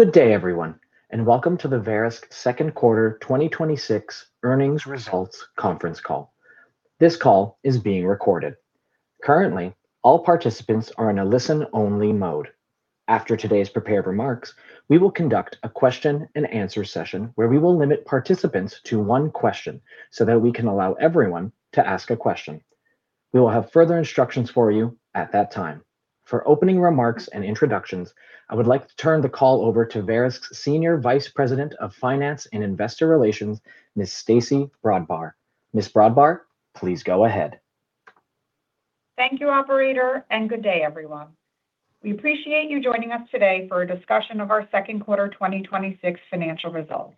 Good day everyone, welcome to the Verisk Second Quarter 2026 Earnings Results Conference Call. This call is being recorded. Currently, all participants are in a listen-only mode. After today's prepared remarks, we will conduct a question and answer session where we will limit participants to one question so that we can allow everyone to ask a question. We will have further instructions for you at that time. For opening remarks and introductions, I would like to turn the call over to Verisk's Senior Vice President of Finance and Investor Relations, Ms. Stacey Brodbar. Ms. Brodbar, please go ahead. Thank you, operator, good day everyone. We appreciate you joining us today for a discussion of our Second Quarter 2026 Financial Results.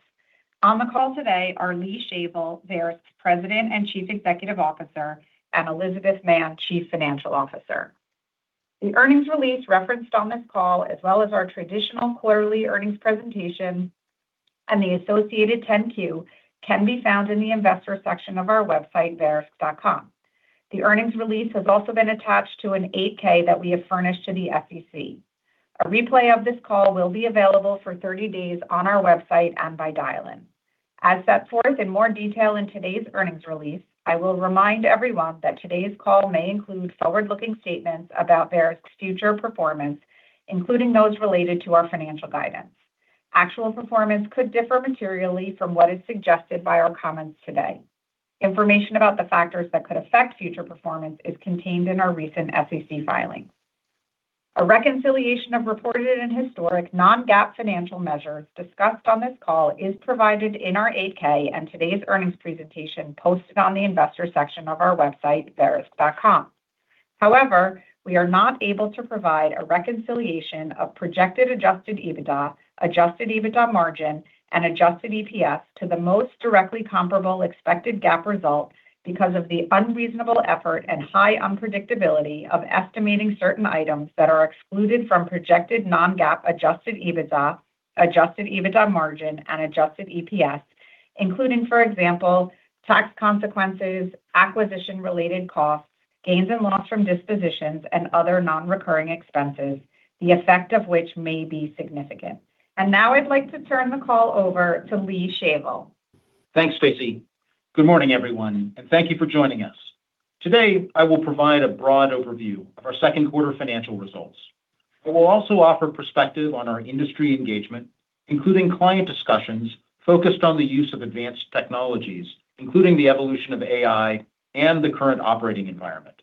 On the call today are Lee Shavel, Verisk's President and Chief Executive Officer, and Elizabeth Mann, Chief Financial Officer. The earnings release referenced on this call, as well as our traditional quarterly earnings presentation and the associated 10-Q, can be found in the investor section of our website, verisk.com. The earnings release has also been attached to an 8-K that we have furnished to the SEC. A replay of this call will be available for 30 days on our website and by dial-in. As set forth in more detail in today's earnings release, I will remind everyone that today's call may include forward-looking statements about Verisk's future performance, including those related to our financial guidance. Actual performance could differ materially from what is suggested by our comments today. Information about the factors that could affect future performance is contained in our recent SEC filings. A reconciliation of reported and historic non-GAAP financial measures discussed on this call is provided in our 8-K and today's earnings presentation posted on the investor section of our website, verisk.com. However, we are not able to provide a reconciliation of projected adjusted EBITDA, adjusted EBITDA margin and adjusted EPS to the most directly comparable expected GAAP result because of the unreasonable effort and high unpredictability of estimating certain items that are excluded from projected non-GAAP adjusted EBITDA, adjusted EBITDA margin, and adjusted EPS, including, for example, tax consequences, acquisition-related costs, gains and losses from dispositions, and other non-recurring expenses, the effect of which may be significant. Now I'd like to turn the call over to Lee Shavel. Thanks, Stacey. Good morning, everyone, thank you for joining us. Today, I will provide a broad overview of our second quarter financial results, but we'll also offer perspective on our industry engagement, including client discussions focused on the use of advanced technologies, including the evolution of AI and the current operating environment.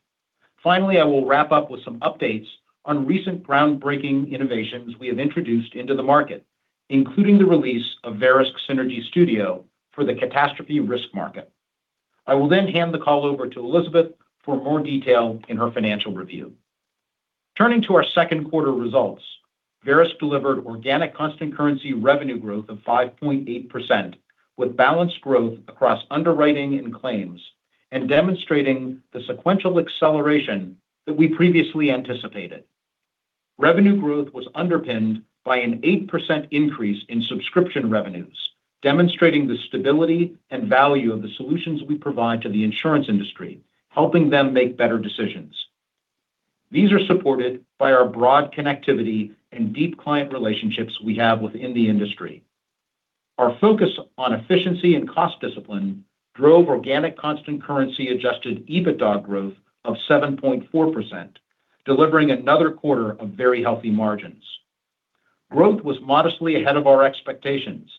Finally, I will wrap up with some updates on recent groundbreaking innovations we have introduced into the market, including the release of Verisk Synergy Studio for the catastrophe risk market. I will then hand the call over to Elizabeth for more detail in her financial review. Turning to our second quarter results, Verisk delivered organic constant currency revenue growth of 5.8%, with balanced growth across underwriting and claims, and demonstrating the sequential acceleration that we previously anticipated. Revenue growth was underpinned by an 8% increase in subscription revenues, demonstrating the stability and value of the solutions we provide to the insurance industry, helping them make better decisions. These are supported by our broad connectivity and deep client relationships we have within the industry. Our focus on efficiency and cost discipline drove organic constant currency adjusted EBITDA growth of 7.4%, delivering another quarter of very healthy margins. Growth was modestly ahead of our expectations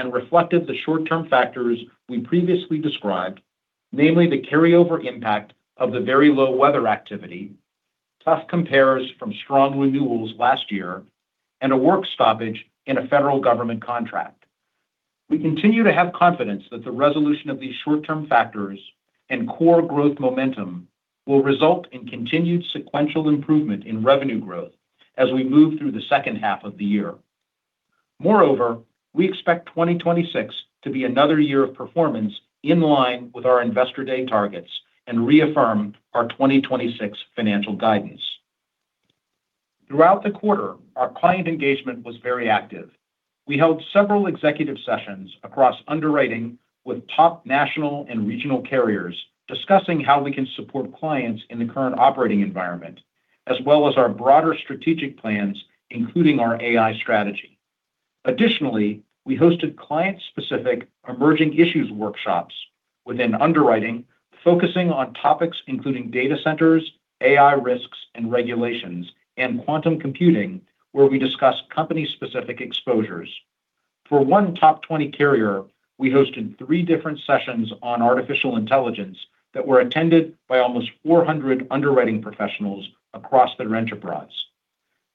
and reflected the short-term factors we previously described, namely the carryover impact of the very low weather activity, tough compares from strong renewals last year, and a work stoppage in a federal government contract. We continue to have confidence that the resolution of these short-term factors and core growth momentum will result in continued sequential improvement in revenue growth as we move through the second half of the year. We expect 2026 to be another year of performance in line with our Investor Day targets and reaffirm our 2026 financial guidance. Throughout the quarter, our client engagement was very active. We held several executive sessions across underwriting with top national and regional carriers, discussing how we can support clients in the current operating environment, as well as our broader strategic plans, including our AI strategy. Additionally, we hosted client-specific emerging issues workshops within underwriting, focusing on topics including data centers, AI risks and regulations, and quantum computing, where we discussed company-specific exposures. For one top 20 carrier, we hosted three different sessions on artificial intelligence that were attended by almost 400 underwriting professionals across their enterprise.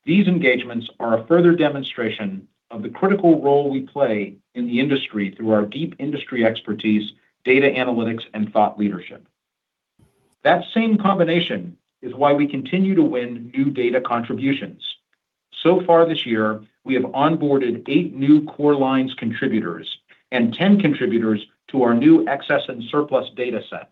These engagements are a further demonstration of the critical role we play in the industry through our deep industry expertise, data analytics, and thought leadership. That same combination is why we continue to win new data contributions. So far this year, we have onboarded eight new Core Lines contributors and 10 contributors to our new excess and surplus dataset.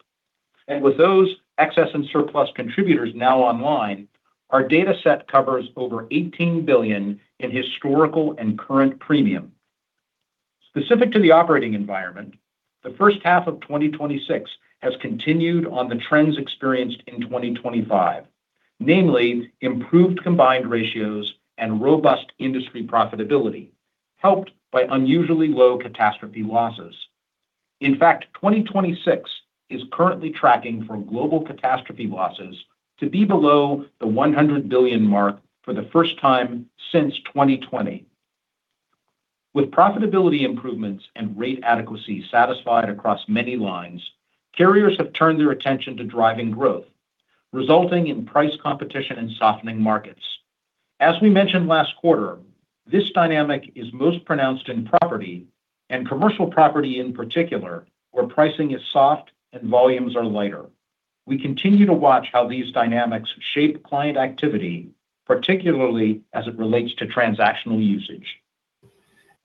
With those excess and surplus contributors now online, our dataset covers over $18 billion in historical and current premium. Specific to the operating environment, the first half of 2026 has continued on the trends experienced in 2025, namely improved combined ratios and robust industry profitability, helped by unusually low catastrophe losses. In fact, 2026 is currently tracking for global catastrophe losses to be below the $100 billion mark for the first time since 2020. With profitability improvements and rate adequacy satisfied across many lines, carriers have turned their attention to driving growth, resulting in price competition in softening markets. As we mentioned last quarter, this dynamic is most pronounced in property and commercial property in particular, where pricing is soft and volumes are lighter. We continue to watch how these dynamics shape client activity, particularly as it relates to transactional usage.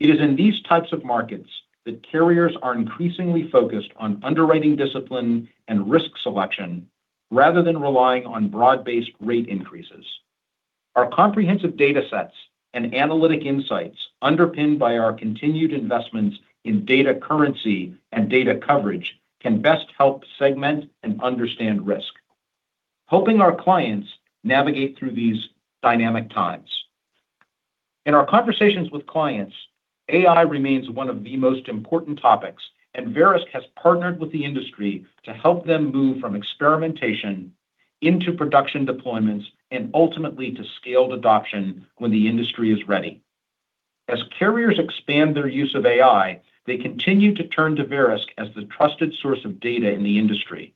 It is in these types of markets that carriers are increasingly focused on underwriting discipline and risk selection rather than relying on broad-based rate increases. Our comprehensive data sets and analytic insights, underpinned by our continued investments in data currency and data coverage, can best help segment and understand risk, helping our clients navigate through these dynamic times. In our conversations with clients, AI remains one of the most important topics, and Verisk has partnered with the industry to help them move from experimentation into production deployments and ultimately to scaled adoption when the industry is ready. As carriers expand their use of AI, they continue to turn to Verisk as the trusted source of data in the industry.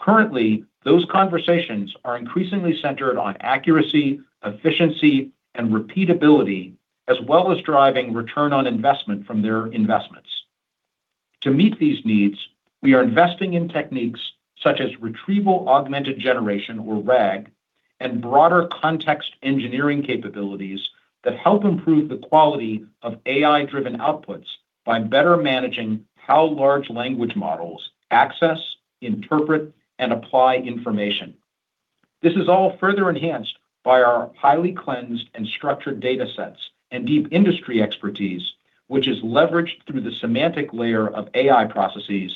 Currently, those conversations are increasingly centered on accuracy, efficiency, and repeatability, as well as driving return on investment from their investments. To meet these needs, we are investing in techniques such as retrieval-augmented generation, or RAG, and broader context engineering capabilities that help improve the quality of AI-driven outputs by better managing how large language models access, interpret, and apply information. This is all further enhanced by our highly cleansed and structured data sets and deep industry expertise, which is leveraged through the semantic layer of AI processes,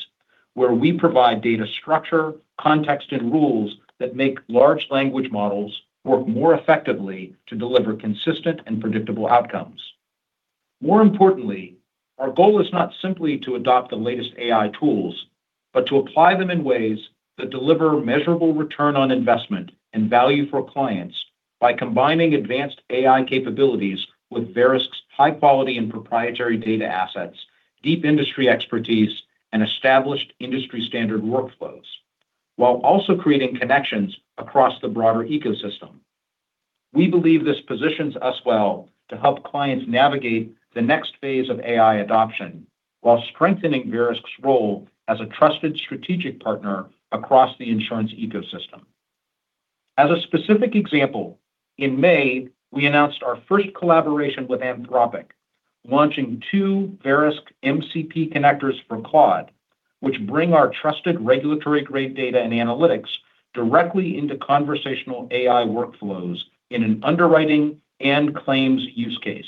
where we provide data structure, context, and rules that make large language models work more effectively to deliver consistent and predictable outcomes. Our goal is not simply to adopt the latest AI tools, but to apply them in ways that deliver measurable return on investment and value for clients by combining advanced AI capabilities with Verisk's high-quality and proprietary data assets, deep industry expertise, and established industry-standard workflows, while also creating connections across the broader ecosystem. We believe this positions us well to help clients navigate the next phase of AI adoption, while strengthening Verisk's role as a trusted strategic partner across the insurance ecosystem. As a specific example, in May, we announced our first collaboration with Anthropic, launching two Verisk MCP connectors for Claude, which bring our trusted regulatory-grade data and analytics directly into conversational AI workflows in an underwriting and claims use case.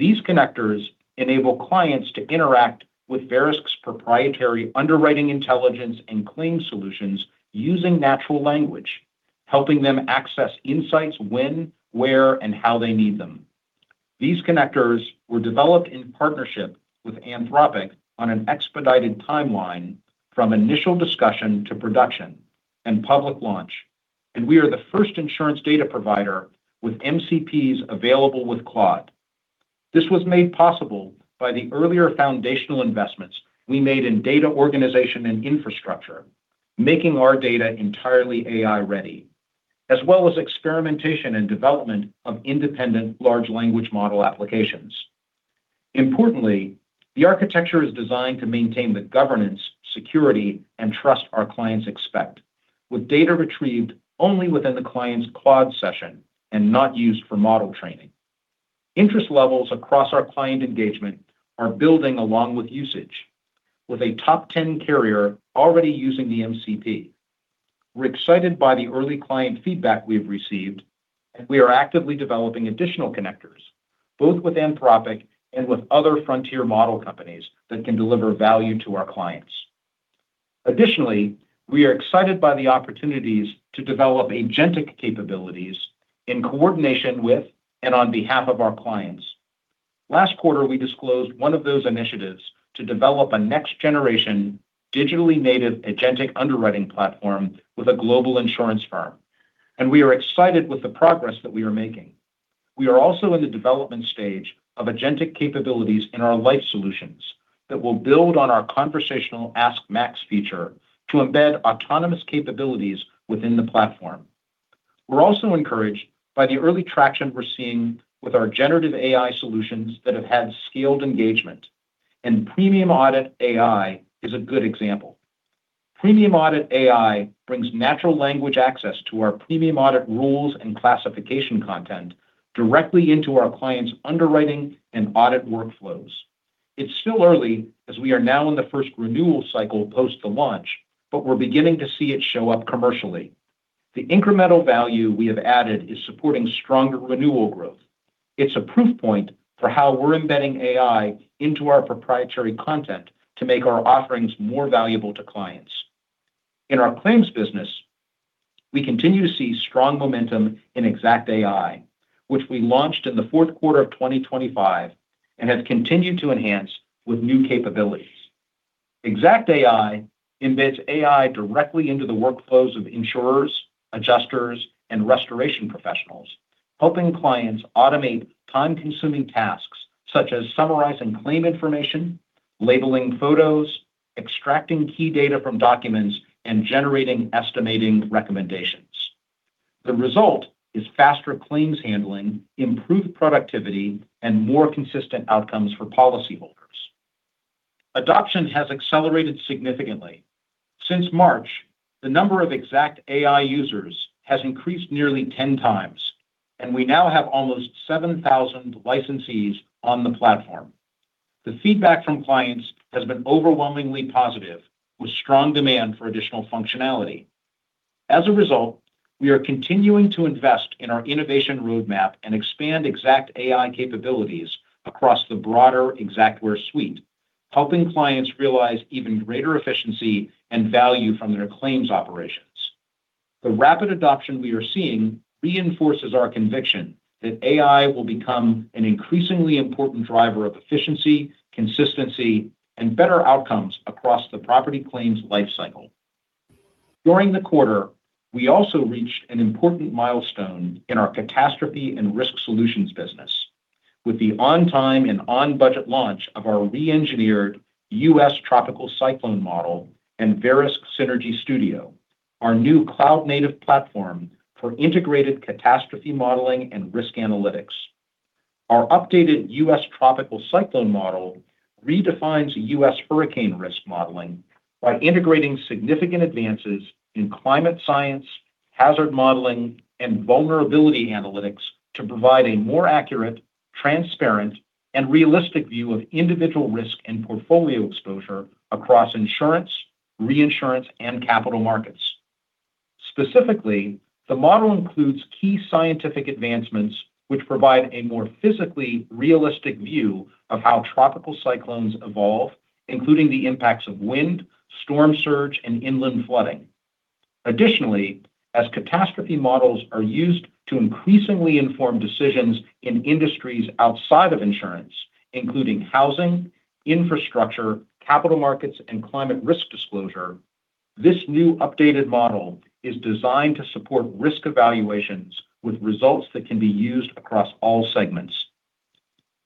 These connectors enable clients to interact with Verisk's proprietary underwriting intelligence and claims solutions using natural language, helping them access insights when, where, and how they need them. These connectors were developed in partnership with Anthropic on an expedited timeline from initial discussion to production and public launch, and we are the first insurance data provider with MCPs available with Claude. This was made possible by the earlier foundational investments we made in data organization and infrastructure, making our data entirely AI-ready, as well as experimentation and development of independent large language model applications. The architecture is designed to maintain the governance, security, and trust our clients expect, with data retrieved only within the client's Claude session and not used for model training. Interest levels across our client engagement are building along with usage, with a top 10 carrier already using the MCP. We're excited by the early client feedback we've received, and we are actively developing additional connectors, both with Anthropic and with other Frontier Model companies that can deliver value to our clients. We are excited by the opportunities to develop agentic capabilities in coordination with and on behalf of our clients. Last quarter, we disclosed one of those initiatives to develop a next-generation, digitally native agentic underwriting platform with a global insurance firm, and we are excited with the progress that we are making. We are also in the development stage of agentic capabilities in our life solutions that will build on our conversational Ask Max feature to embed autonomous capabilities within the platform. We're also encouraged by the early traction we're seeing with our generative AI solutions that have had scaled engagement, Premium Audit AI is a good example. Premium Audit AI brings natural language access to our premium audit rules and classification content directly into our clients' underwriting and audit workflows. It's still early, as we are now in the first renewal cycle post-launch, but we're beginning to see it show up commercially. The incremental value we have added is supporting stronger renewal growth. It's a proof point for how we're embedding AI into our proprietary content to make our offerings more valuable to clients. In our claims business, we continue to see strong momentum in XactAI, which we launched in the fourth quarter of 2025 and have continued to enhance with new capabilities. XactAI embeds AI directly into the workflows of insurers, adjusters, and restoration professionals, helping clients automate time-consuming tasks such as summarizing claim information, labeling photos, extracting key data from documents, and generating estimating recommendations. The result is faster claims handling, improved productivity, and more consistent outcomes for policyholders. Adoption has accelerated significantly. Since March, the number of XactAI users has increased nearly 10 times, and we now have almost 7,000 licensees on the platform. The feedback from clients has been overwhelmingly positive, with strong demand for additional functionality. As a result, we are continuing to invest in our innovation roadmap and expand XactAI capabilities across the broader Xactware suite, helping clients realize even greater efficiency and value from their claims operations. The rapid adoption we are seeing reinforces our conviction that AI will become an increasingly important driver of efficiency, consistency, and better outcomes across the property claims lifecycle. During the quarter, we also reached an important milestone in our Catastrophe and Risk Solutions business with the on-time and on-budget launch of our re-engineered U.S. Tropical Cyclone Model and Verisk Synergy Studio, our new cloud-native platform for integrated catastrophe modeling and risk analytics. Our updated U.S. Tropical Cyclone Model redefines U.S. hurricane risk modeling by integrating significant advances in climate science, hazard modeling, and vulnerability analytics to provide a more accurate, transparent, and realistic view of individual risk and portfolio exposure across insurance, reinsurance, and capital markets. Specifically, the model includes key scientific advancements which provide a more physically realistic view of how tropical cyclones evolve, including the impacts of wind, storm surge, and inland flooding. Additionally, as catastrophe models are used to increasingly inform decisions in industries outside of insurance, including housing, infrastructure, capital markets, and climate risk disclosure, this new updated model is designed to support risk evaluations with results that can be used across all segments.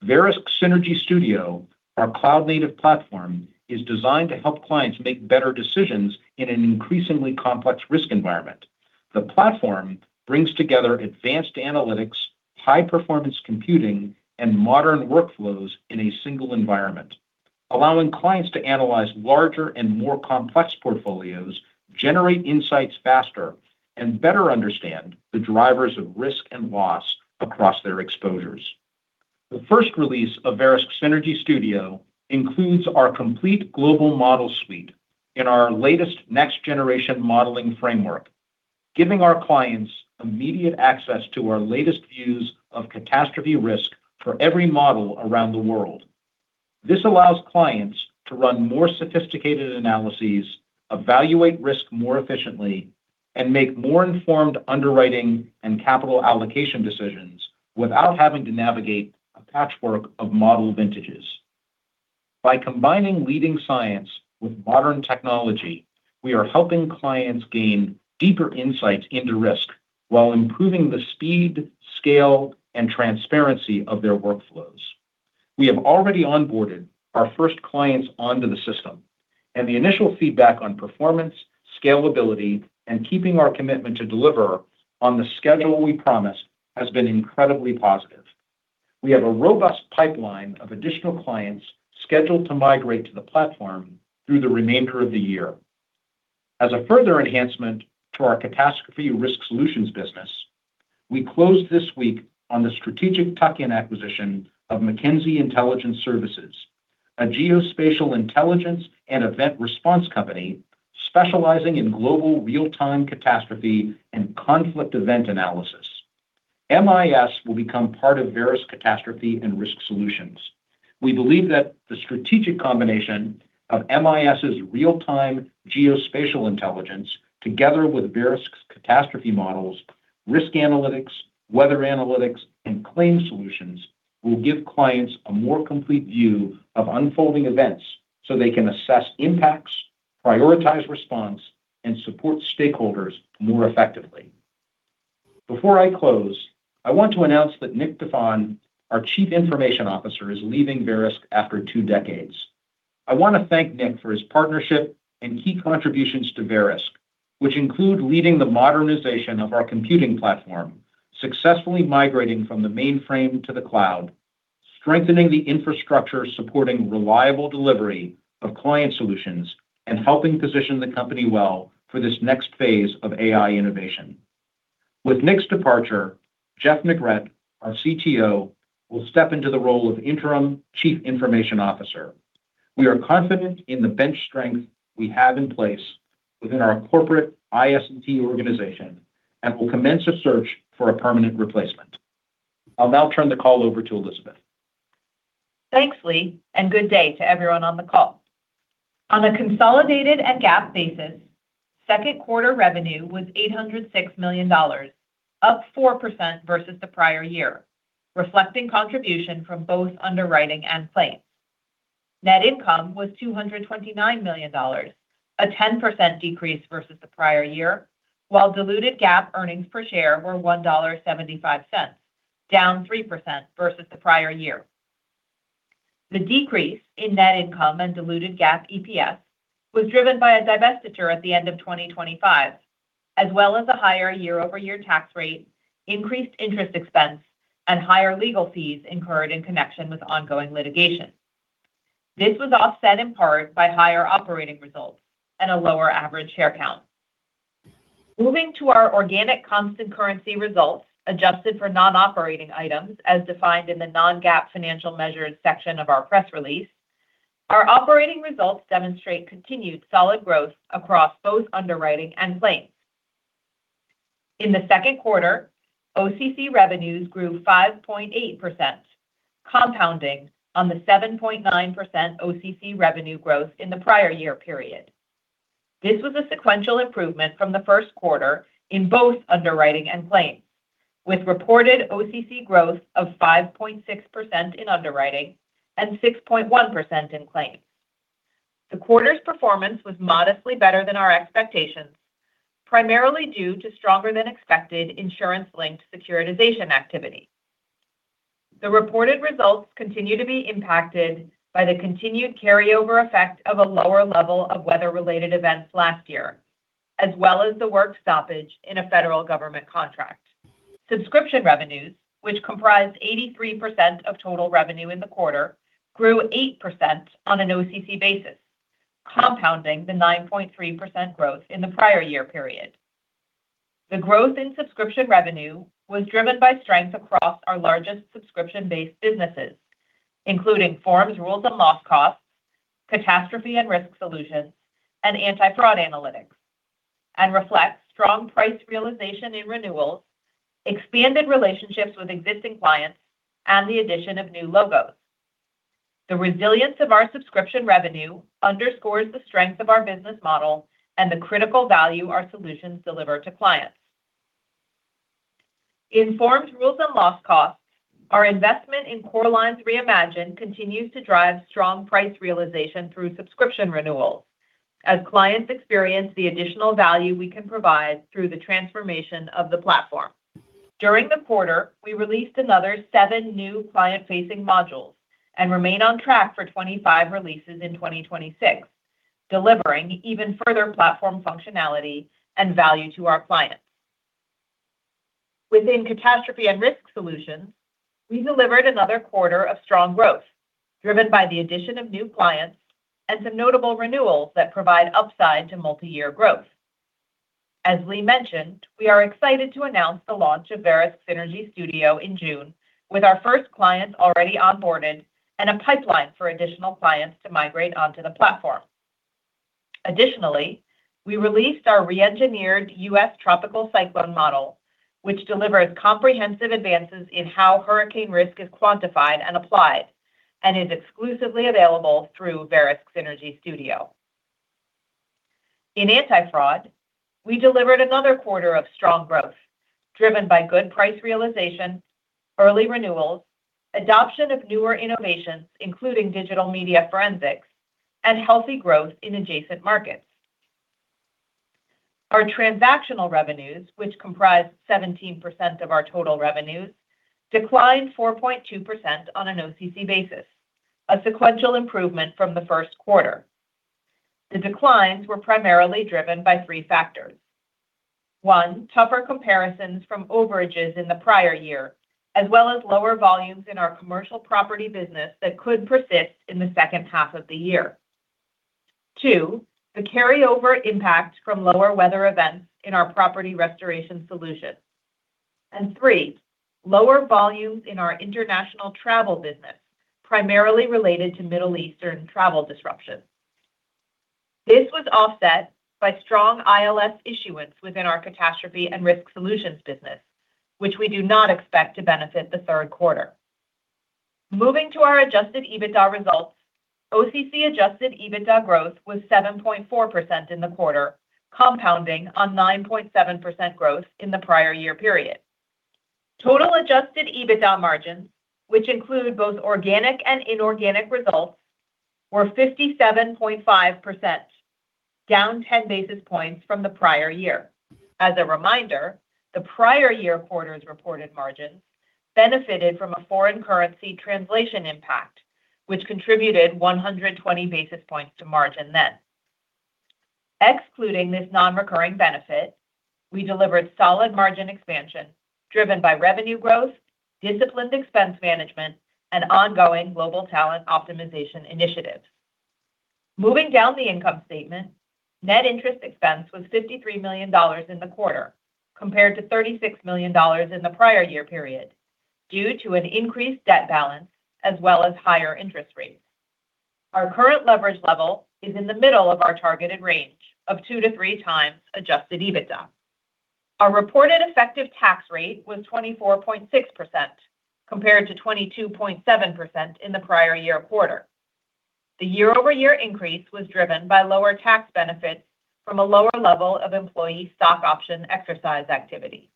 Verisk Synergy Studio, our cloud-native platform, is designed to help clients make better decisions in an increasingly complex risk environment. The platform brings together advanced analytics, high-performance computing, and modern workflows in a single environment, allowing clients to analyze larger and more complex portfolios, generate insights faster, and better understand the drivers of risk and loss across their exposures. The first release of Verisk Synergy Studio includes our complete global model suite in our latest next-generation modeling framework, giving our clients immediate access to our latest views of catastrophe risk for every model around the world. This allows clients to run more sophisticated analyses, evaluate risk more efficiently, and make more informed underwriting and capital allocation decisions without having to navigate a patchwork of model vintages. By combining leading science with modern technology, we are helping clients gain deeper insights into risk while improving the speed, scale, and transparency of their workflows. We have already onboarded our first clients onto the system, and the initial feedback on performance, scalability, and keeping our commitment to deliver on the schedule we promised has been incredibly positive. We have a robust pipeline of additional clients scheduled to migrate to the platform through the remainder of the year. As a further enhancement to our catastrophe risk solutions business, we closed this week on the strategic tuck-in acquisition of McKenzie Intelligence Services, a geospatial intelligence and event response company specializing in global real-time catastrophe and conflict event analysis. MIS will become part of Verisk Catastrophe and Risk Solutions. We believe that the strategic combination of MIS's real-time geospatial intelligence, together with Verisk's catastrophe models, risk analytics, weather analytics, and claim solutions will give clients a more complete view of unfolding events so they can assess impacts, prioritize response, and support stakeholders more effectively. Before I close, I want to announce that Nick Defond, our Chief Information Officer, is leaving Verisk after two decades. I want to thank Nick for his partnership and key contributions to Verisk, which include leading the modernization of our computing platform, successfully migrating from the mainframe to the cloud, strengthening the infrastructure supporting reliable delivery of client solutions, and helping position the company well for this next phase of AI innovation. With Nick's departure, Jeff Negrete, our CTO, will step into the role of Interim Chief Information Officer. We are confident in the bench strength we have in place within our corporate IS&T organization and will commence a search for a permanent replacement. I'll now turn the call over to Elizabeth. Thanks, Lee, and good day to everyone on the call. On a consolidated and GAAP basis, second quarter revenue was $806 million, up 4% versus the prior year, reflecting contribution from both underwriting and claims. Net income was $229 million, a 10% decrease versus the prior year, while diluted GAAP earnings per share were $1.75, down 3% versus the prior year. The decrease in net income and diluted GAAP EPS was driven by a divestiture at the end of 2025, as well as a higher year-over-year tax rate, increased interest expense, and higher legal fees incurred in connection with ongoing litigation. This was offset in part by higher operating results and a lower average share count. Moving to our organic constant currency results, adjusted for non-operating items as defined in the non-GAAP financial measures section of our press release, our operating results demonstrate continued solid growth across both underwriting and claims. In the second quarter, OCC revenues grew 5.8%, compounding on the 7.9% OCC revenue growth in the prior year period. This was a sequential improvement from the first quarter in both underwriting and claims, with reported OCC growth of 5.6% in underwriting and 6.1% in claims. The quarter's performance was modestly better than our expectations, primarily due to stronger than expected insurance-linked securitization activity. The reported results continue to be impacted by the continued carryover effect of a lower level of weather-related events last year, as well as the work stoppage in a federal government contract. Subscription revenues, which comprised 83% of total revenue in the quarter, grew 8% on an OCC basis, compounding the 9.3% growth in the prior year period. The growth in subscription revenue was driven by strength across our largest subscription-based businesses, including forms, rules, and loss costs, catastrophe and risk solutions, and anti-fraud analytics, and reflects strong price realization in renewals, expanded relationships with existing clients, and the addition of new logos. The resilience of our subscription revenue underscores the strength of our business model and the critical value our solutions deliver to clients. In forms, rules, and loss costs, our investment in Core Lines Reimagine continues to drive strong price realization through subscription renewals as clients experience the additional value we can provide through the transformation of the platform. During the quarter, we released another seven new client-facing modules and remain on track for 25 releases in 2026, delivering even further platform functionality and value to our clients. Within catastrophe and risk solutions, we delivered another quarter of strong growth, driven by the addition of new clients and some notable renewals that provide upside to multi-year growth. As Lee mentioned, we are excited to announce the launch of Verisk Synergy Studio in June with our first clients already onboarded and a pipeline for additional clients to migrate onto the platform. We released our reengineered U.S. Tropical Cyclone Model, which delivers comprehensive advances in how hurricane risk is quantified and applied and is exclusively available through Verisk Synergy Studio. In anti-fraud, we delivered another quarter of strong growth driven by good price realization, early renewals, adoption of newer innovations including digital media forensics, and healthy growth in adjacent markets. Our transactional revenues, which comprise 17% of our total revenues, declined 4.2% on an OCC basis, a sequential improvement from the first quarter. The declines were primarily driven by three factors. One, tougher comparisons from overages in the prior year, as well as lower volumes in our commercial property business that could persist in the second half of the year. Two, the carryover impact from lower weather events in our property restoration solutions. And three, lower volumes in our international travel business, primarily related to Middle Eastern travel disruptions. This was offset by strong ILS issuance within our catastrophe and risk solutions business, which we do not expect to benefit the third quarter. Moving to our adjusted EBITDA results, OCC adjusted EBITDA growth was 7.4% in the quarter, compounding on 9.7% growth in the prior year period. Total adjusted EBITDA margins, which include both organic and inorganic results, were 57.5%, down 10 basis points from the prior year. As a reminder, the prior year quarter's reported margins benefited from a foreign currency translation impact, which contributed 120 basis points to margin then. Excluding this non-recurring benefit, we delivered solid margin expansion driven by revenue growth, disciplined expense management, and ongoing global talent optimization initiatives. Moving down the income statement, net interest expense was $53 million in the quarter, compared to $36 million in the prior year period, due to an increased debt balance as well as higher interest rates. Our current leverage level is in the middle of our targeted range of two to three times adjusted EBITDA. Our reported effective tax rate was 24.6%, compared to 22.7% in the prior year quarter. The year-over-year increase was driven by lower tax benefits from a lower level of employee stock option exercise activity.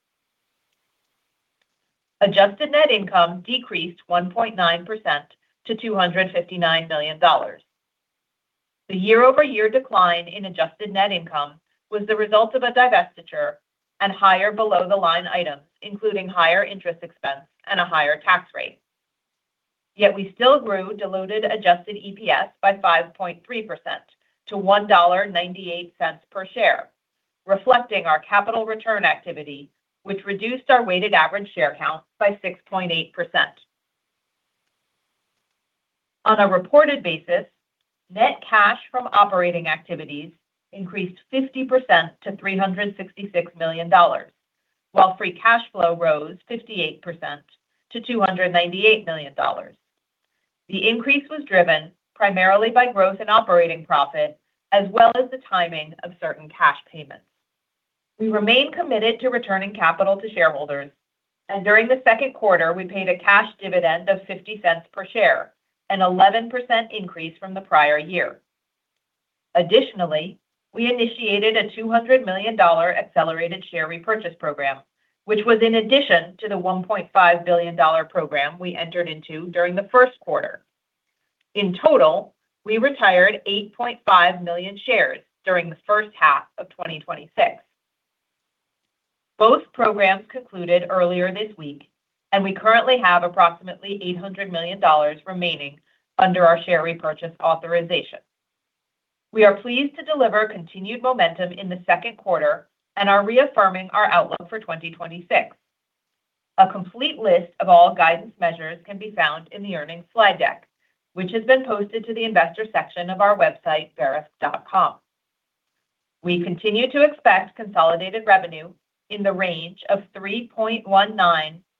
Adjusted net income decreased 1.9% to $259 million. The year-over-year decline in adjusted net income was the result of a divestiture and higher below-the-line items, including higher interest expense and a higher tax rate. Yet we still grew diluted adjusted EPS by 5.3% to $1.98 per share, reflecting our capital return activity, which reduced our weighted average share count by 6.8%. On a reported basis, net cash from operating activities increased 50% to $366 million, while free cash flow rose 58% to $298 million. The increase was driven primarily by growth in operating profit, as well as the timing of certain cash payments. We remain committed to returning capital to shareholders. During the second quarter, we paid a cash dividend of $0.50 per share, an 11% increase from the prior year. Additionally, we initiated a $200 million accelerated share repurchase program, which was in addition to the $1.5 billion program we entered into during the first quarter. In total, we retired 8.5 million shares during the first half of 2026. Both programs concluded earlier this week, and we currently have approximately $800 million remaining under our share repurchase authorization. We are pleased to deliver continued momentum in the second quarter and are reaffirming our outlook for 2026. A complete list of all guidance measures can be found in the earnings slide deck, which has been posted to the investor section of our website, verisk.com. We continue to expect consolidated revenue in the range of $3.19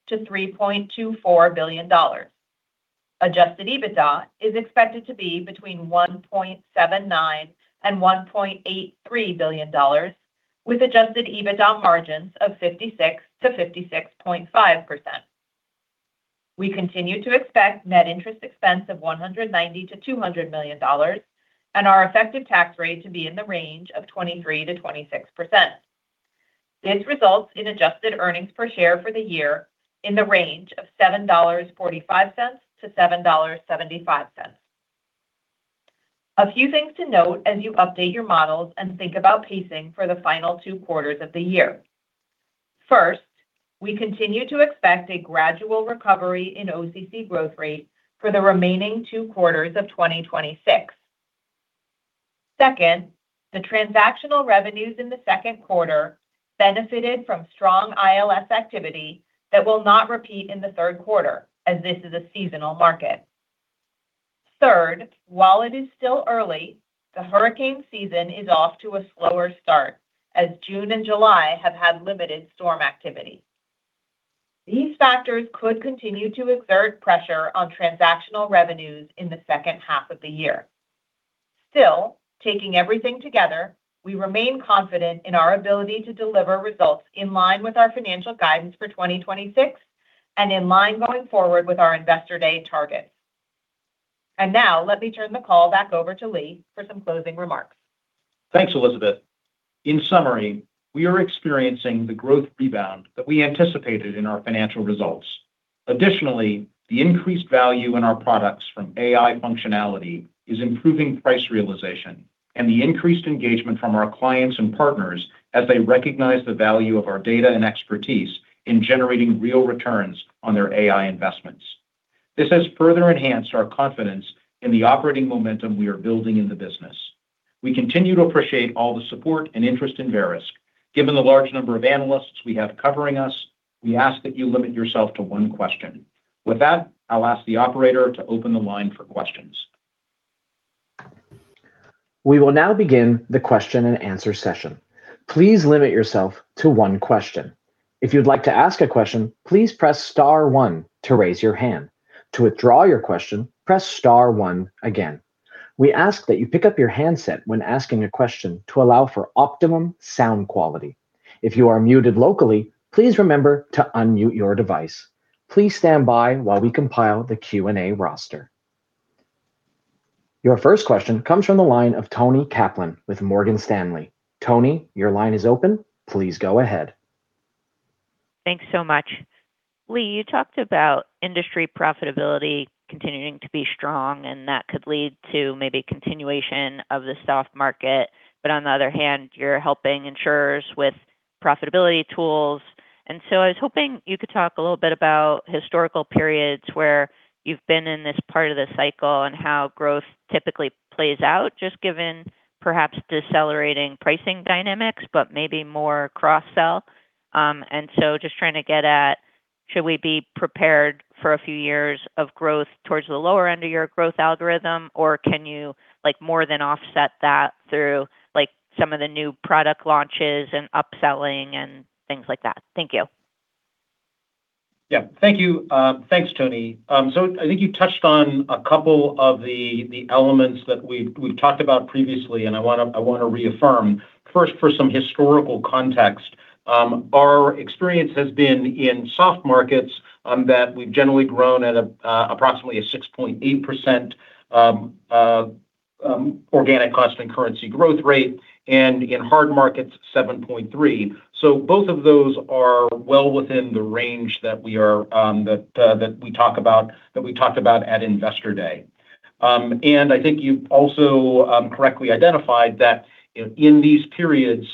billion-$3.24 billion. Adjusted EBITDA is expected to be between $1.79 billion and $1.83 billion, with adjusted EBITDA margins of 56%-56.5%. We continue to expect net interest expense of $190 million-$200 million and our effective tax rate to be in the range of 23%-26%. This results in adjusted earnings per share for the year in the range of $7.45-$7.75. A few things to note as you update your models and think about pacing for the final two quarters of the year. First, we continue to expect a gradual recovery in OCC growth rate for the remaining two quarters of 2026. Second, the transactional revenues in the second quarter benefited from strong ILS activity that will not repeat in the third quarter, as this is a seasonal market. Third, while it is still early, the hurricane season is off to a slower start, as June and July have had limited storm activity. These factors could continue to exert pressure on transactional revenues in the second half of the year. Still, taking everything together, we remain confident in our ability to deliver results in line with our financial guidance for 2026 and in line going forward with our Investor Day targets. Now let me turn the call back over to Lee for some closing remarks. Thanks, Elizabeth. In summary, we are experiencing the growth rebound that we anticipated in our financial results. Additionally, the increased value in our products from AI functionality is improving price realization and the increased engagement from our clients and partners as they recognize the value of our data and expertise in generating real returns on their AI investments. This has further enhanced our confidence in the operating momentum we are building in the business. We continue to appreciate all the support and interest in Verisk. Given the large number of analysts we have covering us, we ask that you limit yourself to one question. With that, I will ask the operator to open the line for questions. We will now begin the question and answer session. Please limit yourself to one question. If you would like to ask a question, please press star one to raise your hand. To withdraw your question, press star one again. We ask that you pick up your handset when asking a question to allow for optimum sound quality. If you are muted locally, please remember to unmute your device. Please stand by while we compile the Q&A roster. Your first question comes from the line of Toni Kaplan with Morgan Stanley. Toni, your line is open. Please go ahead. Thanks so much. Lee, you talked about industry profitability continuing to be strong, that could lead to maybe continuation of the soft market, but on the other hand, you are helping insurers with profitability tools. I was hoping you could talk a little bit about historical periods where you have been in this part of the cycle and how growth typically plays out, just given perhaps decelerating pricing dynamics, but maybe more cross-sell. Just trying to get at Should we be prepared for a few years of growth towards the lower end of your growth algorithm, or can you more than offset that through some of the new product launches and upselling and things like that? Thank you. Yeah. Thank you. Thanks, Toni. I think you touched on a couple of the elements that we've talked about previously, and I want to reaffirm. First, for some historical context, our experience has been in soft markets, that we've generally grown at approximately a 6.8% organic constant currency growth rate. In hard markets, 7.3%. Both of those are well within the range that we talked about at Investor Day. I think you've also correctly identified that in these periods,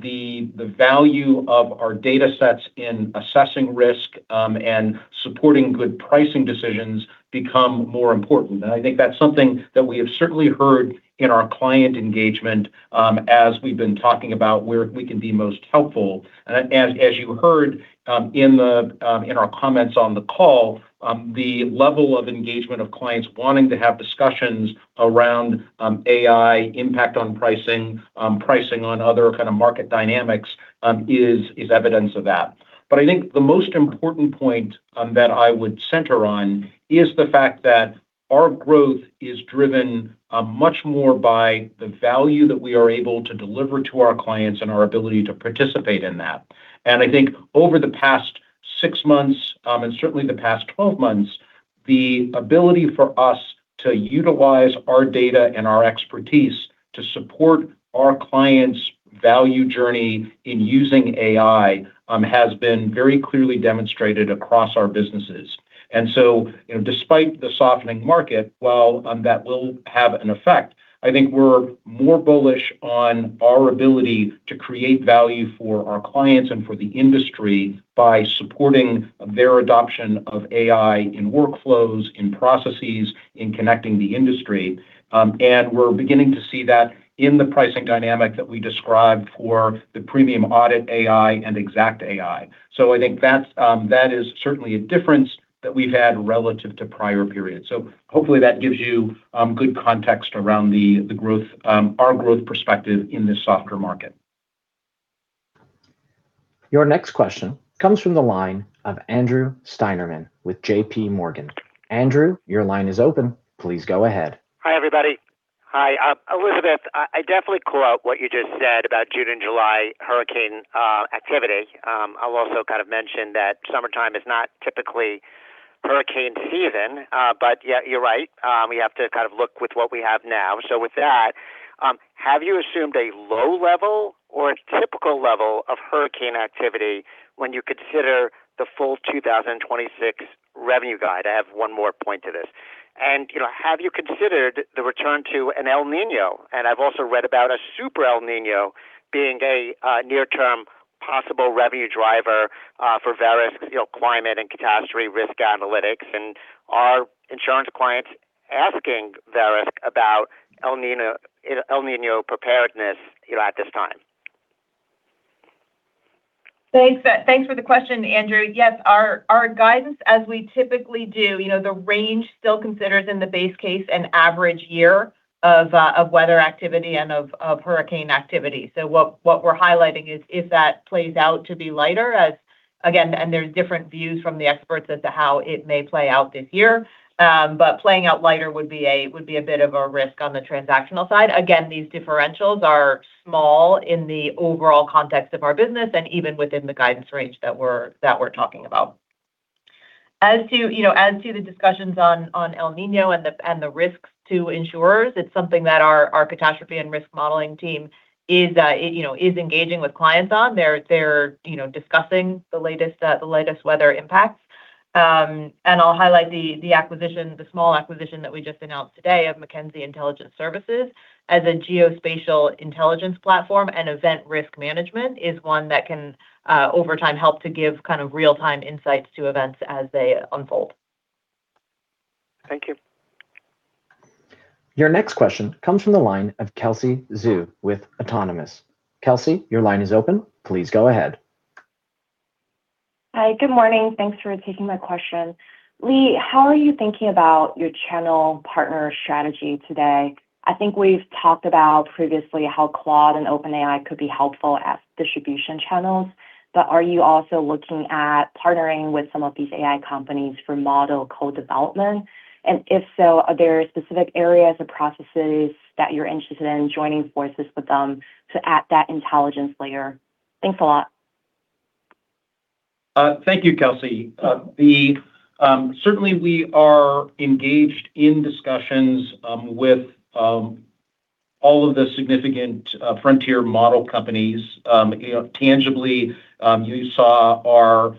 the value of our data sets in assessing risk, and supporting good pricing decisions become more important. I think that's something that we have certainly heard in our client engagement, as we've been talking about where we can be most helpful. As you heard in our comments on the call, the level of engagement of clients wanting to have discussions around AI impact on pricing on other kind of market dynamics, is evidence of that. I think the most important point that I would center on is the fact that our growth is driven much more by the value that we are able to deliver to our clients and our ability to participate in that. I think over the past six months, and certainly the past 12 months, the ability for us to utilize our data and our expertise to support our clients' value journey in using AI, has been very clearly demonstrated across our businesses. Despite the softening market, while that will have an effect, I think we're more bullish on our ability to create value for our clients and for the industry by supporting their adoption of AI in workflows, in processes, in connecting the industry. We're beginning to see that in the pricing dynamic that we described for the Premium Audit AI and XactAI. I think that is certainly a difference that we've had relative to prior periods. Hopefully that gives you good context around our growth perspective in this softer market. Your next question comes from the line of Andrew Steinerman with JPMorgan. Andrew, your line is open. Please go ahead. Hi, everybody. Hi, Elizabeth. I definitely call out what you just said about June and July hurricane activity. I'll also kind of mention that summertime is not typically hurricane season. Yeah, you're right. We have to kind of look with what we have now. With that, have you assumed a low level or a typical level of hurricane activity when you consider the full 2026 revenue guide? I have one more point to this. Have you considered the return to an El Niño? I've also read about a super El Niño being a near-term possible revenue driver for Verisk climate and catastrophe risk analytics. Are insurance clients asking Verisk about El Niño preparedness at this time? Thanks for the question, Andrew. Yes, our guidance as we typically do, the range still considers in the base case an average year of weather activity and of hurricane activity. What we're highlighting is if that plays out to be lighter as, again, there's different views from the experts as to how it may play out this year. Playing out lighter would be a bit of a risk on the transactional side. Again, these differentials are small in the overall context of our business and even within the guidance range that we're talking about. As to the discussions on El Niño and the risks to insurers, it's something that our catastrophe and risk modeling team is engaging with clients on. They're discussing the latest weather impacts. I'll highlight the small acquisition that we just announced today of McKenzie Intelligence Services as a geospatial intelligence platform and event risk management is one that can, over time, help to give kind of real-time insights to events as they unfold. Thank you. Your next question comes from the line of Kelsey Zhu with Autonomous. Kelsey, your line is open. Please go ahead. Hi. Good morning. Thanks for taking my question. Lee, how are you thinking about your channel partner strategy today? I think we've talked about previously how Claude and OpenAI could be helpful as distribution channels. Are you also looking at partnering with some of these AI companies for model co-development? If so, are there specific areas or processes that you're interested in joining forces with them to add that intelligence layer? Thanks a lot. Thank you, Kelsey. Certainly, we are engaged in discussions with all of the significant Frontier Model companies. Tangibly, you saw our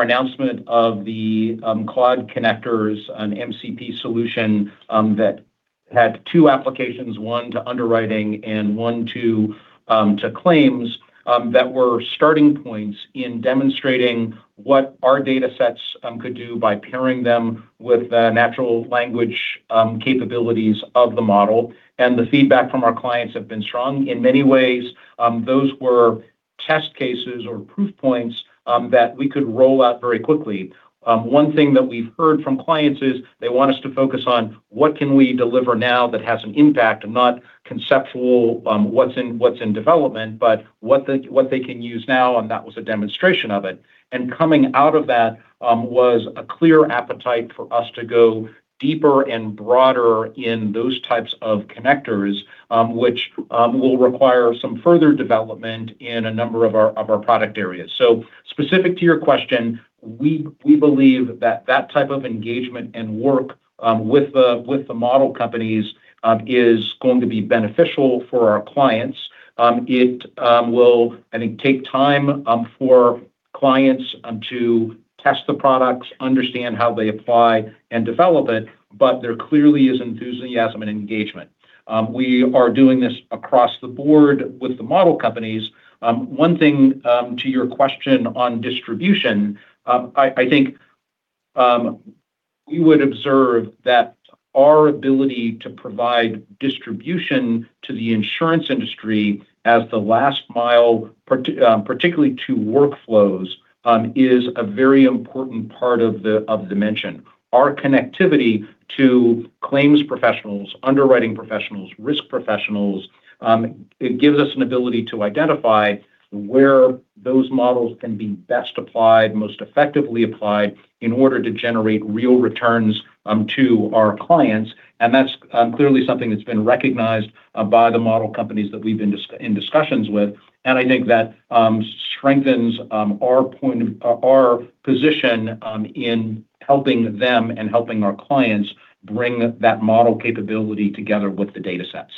announcement of the Claude connectors, an MCP solution that had two applications, one to underwriting and one to claims, that were starting points in demonstrating what our data sets could do by pairing them with natural language capabilities of the model. The feedback from our clients have been strong. In many ways, those were test cases or proof points that we could roll out very quickly. One thing that we've heard from clients is they want us to focus on what can we deliver now that has an impact and not conceptual, what's in development, but what they can use now, and that was a demonstration of it. Coming out of that was a clear appetite for us to go deeper and broader in those types of connectors, which will require some further development in a number of our product areas. Specific to your question, we believe that that type of engagement and work with the model companies is going to be beneficial for our clients. It will, I think, take time for clients to test the products, understand how they apply and develop it, but there clearly is enthusiasm and engagement. We are doing this across the board with the model companies. One thing to your question on distribution, I think we would observe that our ability to provide distribution to the insurance industry as the last mile, particularly to workflows, is a very important part of dimension. Our connectivity to claims professionals, underwriting professionals, risk professionals, it gives us an ability to identify where those models can be best applied, most effectively applied in order to generate real returns to our clients. That's clearly something that's been recognized by the model companies that we've been in discussions with. I think that strengthens our position in helping them and helping our clients bring that model capability together with the data sets.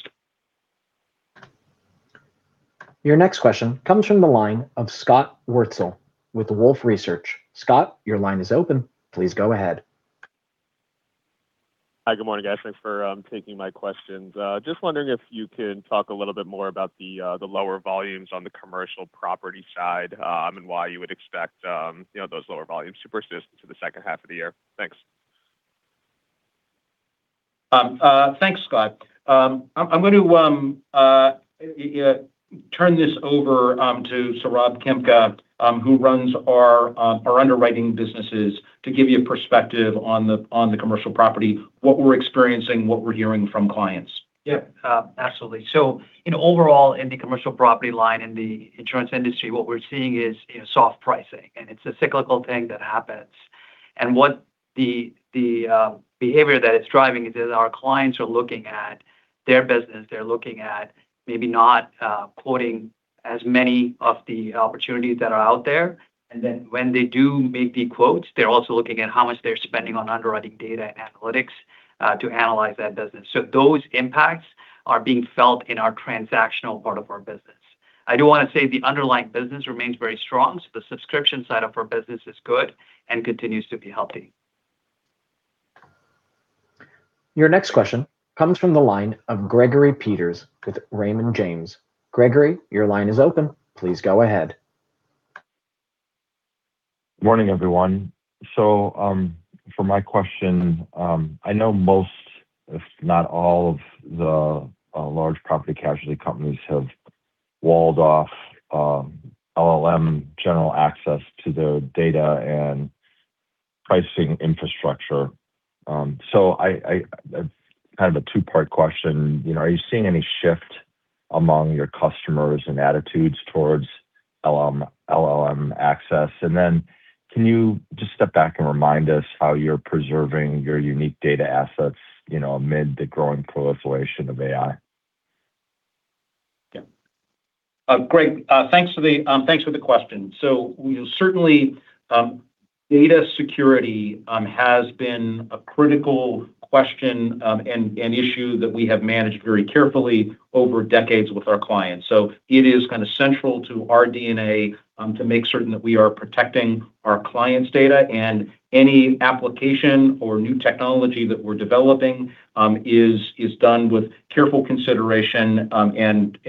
Your next question comes from the line of Scott Wurtzel with Wolfe Research. Scott, your line is open. Please go ahead. Hi, good morning, guys. Thanks for taking my questions. Just wondering if you can talk a little bit more about the lower volumes on the commercial property side, and why you would expect those lower volumes to persist into the second half of the year. Thanks. Thanks, Scott. I'm going to turn this over to Saurabh Khemka, who runs our underwriting businesses, to give you a perspective on the commercial property, what we're experiencing, what we're hearing from clients. Yep. Absolutely. In overall in the commercial property line in the insurance industry, what we're seeing is soft pricing, and it's a cyclical thing that happens. What the behavior that it's driving is, our clients are looking at their business, they're looking at maybe not quoting as many of the opportunities that are out there. When they do maybe quote, they're also looking at how much they're spending on underwriting data and analytics to analyze that business. Those impacts are being felt in our transactional part of our business. I do want to say the underlying business remains very strong. The subscription side of our business is good and continues to be healthy. Your next question comes from the line of Gregory Peters with Raymond James. Gregory, your line is open. Please go ahead. Morning, everyone. For my question, I know most, if not all of the large property casualty companies have walled off LLM general access to their data and pricing infrastructure. Kind of a two-part question. Are you seeing any shift among your customers and attitudes towards LLM access? Can you just step back and remind us how you're preserving your unique data assets amid the growing proliferation of AI? Greg, thanks for the question. Certainly, data security has been a critical question and issue that we have managed very carefully over decades with our clients. It is kind of central to our DNA to make certain that we are protecting our clients' data and any application or new technology that we're developing is done with careful consideration and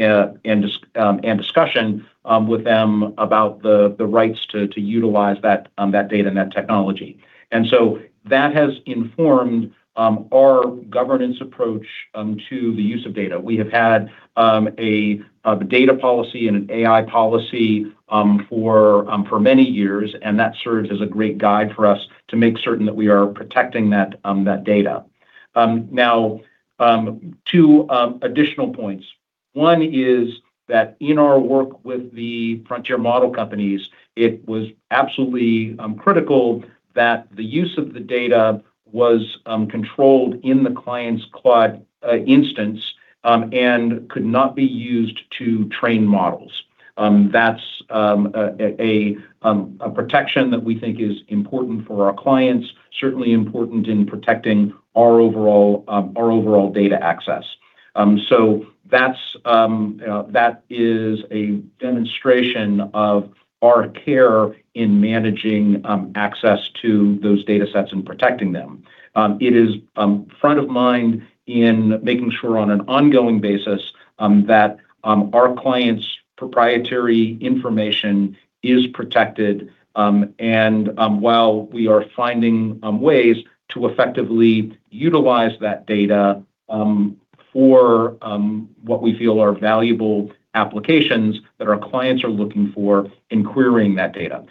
discussion with them about the rights to utilize that data and that technology. That has informed our governance approach to the use of data. We have had a data policy and an AI policy for many years, and that serves as a great guide for us to make certain that we are protecting that data. Now, two additional points. One is that in our work with the Frontier Model companies, it was absolutely critical that the use of the data was controlled in the client's cloud instance and could not be used to train models. That's a protection that we think is important for our clients, certainly important in protecting our overall data access. That is a demonstration of our care in managing access to those data sets and protecting them. It is front of mind in making sure on an ongoing basis that our clients' proprietary information is protected and while we are finding ways to effectively utilize that data for what we feel are valuable applications that our clients are looking for in querying that data.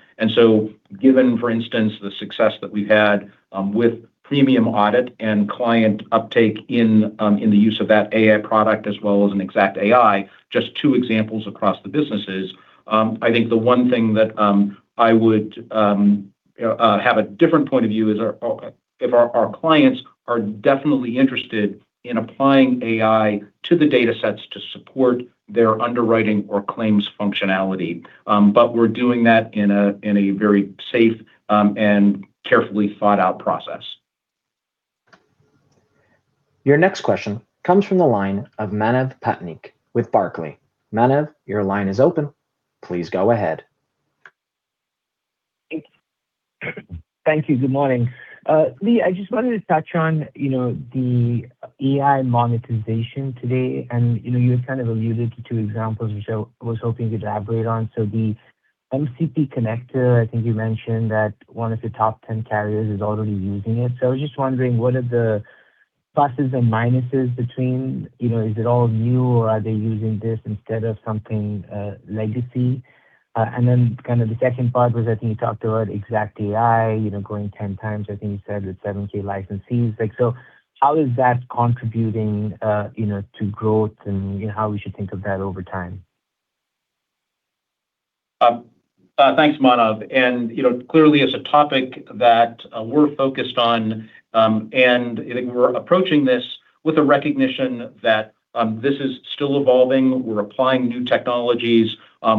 Given, for instance, the success that we've had with Premium Audit and client uptake in the use of that AI product as well as an XactAI, just two examples across the businesses. I think the one thing that I would have a different point of view is if our clients are definitely interested in applying AI to the data sets to support their underwriting or claims functionality. We're doing that in a very safe and carefully thought-out process. Your next question comes from the line of Manav Patnaik with Barclays. Manav, your line is open. Please go ahead. Thank you. Good morning. Lee, I just wanted to touch on the AI monetization today, and you kind of alluded to two examples, which I was hoping you'd elaborate on. The MCP connector, I think you mentioned that one of the top 10 carriers is already using it. I was just wondering, what are the pluses and minuses between, is it all new or are they using this instead of something legacy? And then the second part was, I think you talked about XactAI going 10 times, I think you said, with 7,000 licensees. How is that contributing to growth, and how we should think of that over time? Thanks, Manav. Clearly, it's a topic that we're focused on, and I think we're approaching this with a recognition that this is still evolving. We're applying new technologies.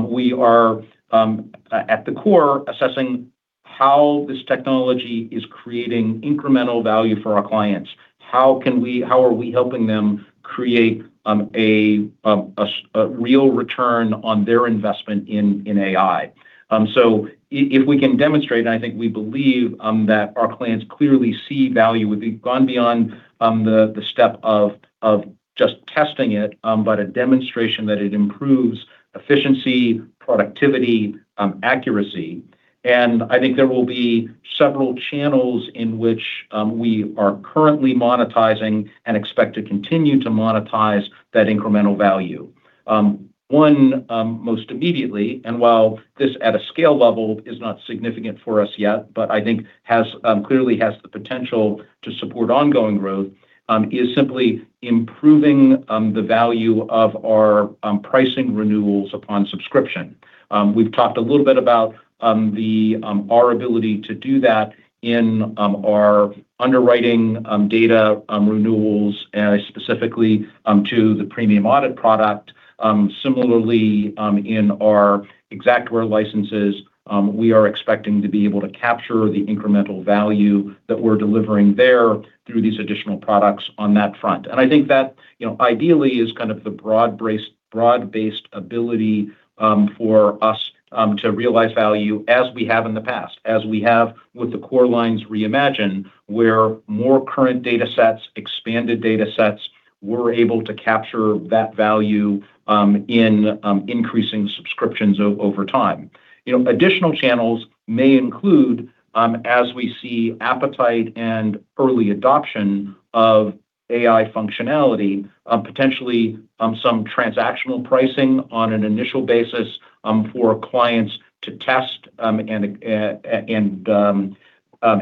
We are at the core assessing how this technology is creating incremental value for our clients. How are we helping them create a real return on their investment in AI? If we can demonstrate, and I think we believe that our clients clearly see value. We've gone beyond the step of just testing it, but a demonstration that it improves efficiency, productivity, accuracy. I think there will be several channels in which we are currently monetizing and expect to continue to monetize that incremental value. One, most immediately, and while this at a scale level is not significant for us yet, but I think clearly has the potential to support ongoing growth, is simply improving the value of our pricing renewals upon subscription. We've talked a little bit about our ability to do that in our underwriting data renewals, specifically to the Premium Audit product. Similarly, in our Xactware licenses, we are expecting to be able to capture the incremental value that we're delivering there through these additional products on that front. I think that ideally is kind of the broad-based ability for us to realize value as we have in the past, as we have with the Core Lines Reimagine, where more current data sets, expanded data sets, we're able to capture that value in increasing subscriptions over time. Additional channels may include, as we see appetite and early adoption of AI functionality, potentially some transactional pricing on an initial basis for clients to test and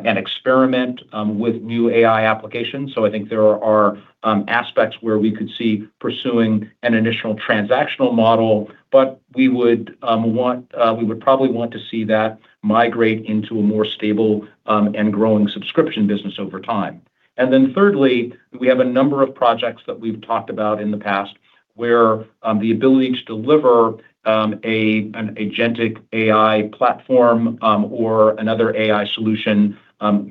experiment with new AI applications. I think there are aspects where we could see pursuing an initial transactional model, but we would probably want to see that migrate into a more stable and growing subscription business over time. Then thirdly, we have a number of projects that we've talked about in the past where the ability to deliver an agentic AI platform or another AI solution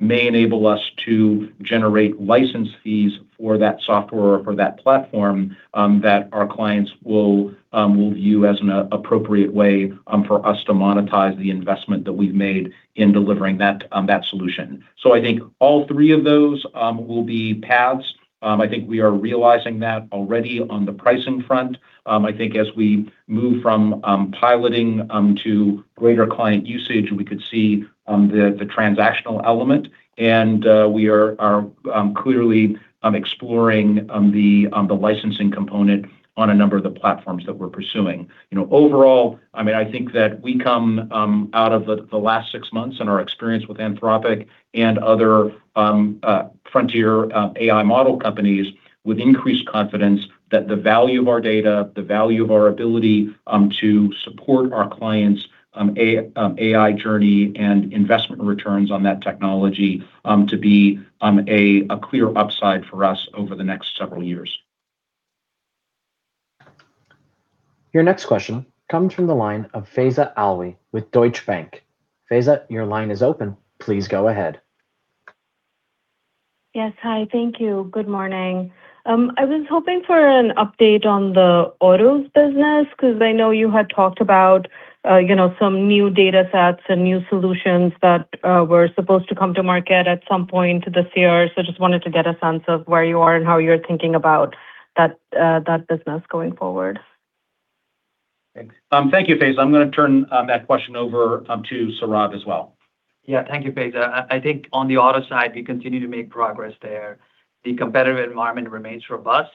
may enable us to generate license fees for that software or for that platform that our clients will view as an appropriate way for us to monetize the investment that we've made in delivering that solution. I think all three of those will be paths. I think we are realizing that already on the pricing front. I think as we move from piloting to greater client usage, we could see the transactional element, and we are clearly exploring the licensing component on a number of the platforms that we're pursuing. Overall, I think that we come out of the last six months and our experience with Anthropic and other Frontier Model companies with increased confidence that the value of our data, the value of our ability to support our clients' AI journey and investment returns on that technology to be a clear upside for us over the next several years. Your next question comes from the line of Faiza Alwy with Deutsche Bank. Faiza, your line is open. Please go ahead. Yes. Hi. Thank you. Good morning. I was hoping for an update on the autos business because I know you had talked about some new data sets and new solutions that were supposed to come to market at some point this year. Just wanted to get a sense of where you are and how you're thinking about that business going forward. Thanks. Thank you, Faiza. I'm going to turn that question over to Saurabh as well. Yeah, thank you, Faiza. I think on the auto side, we continue to make progress there. The competitive environment remains robust,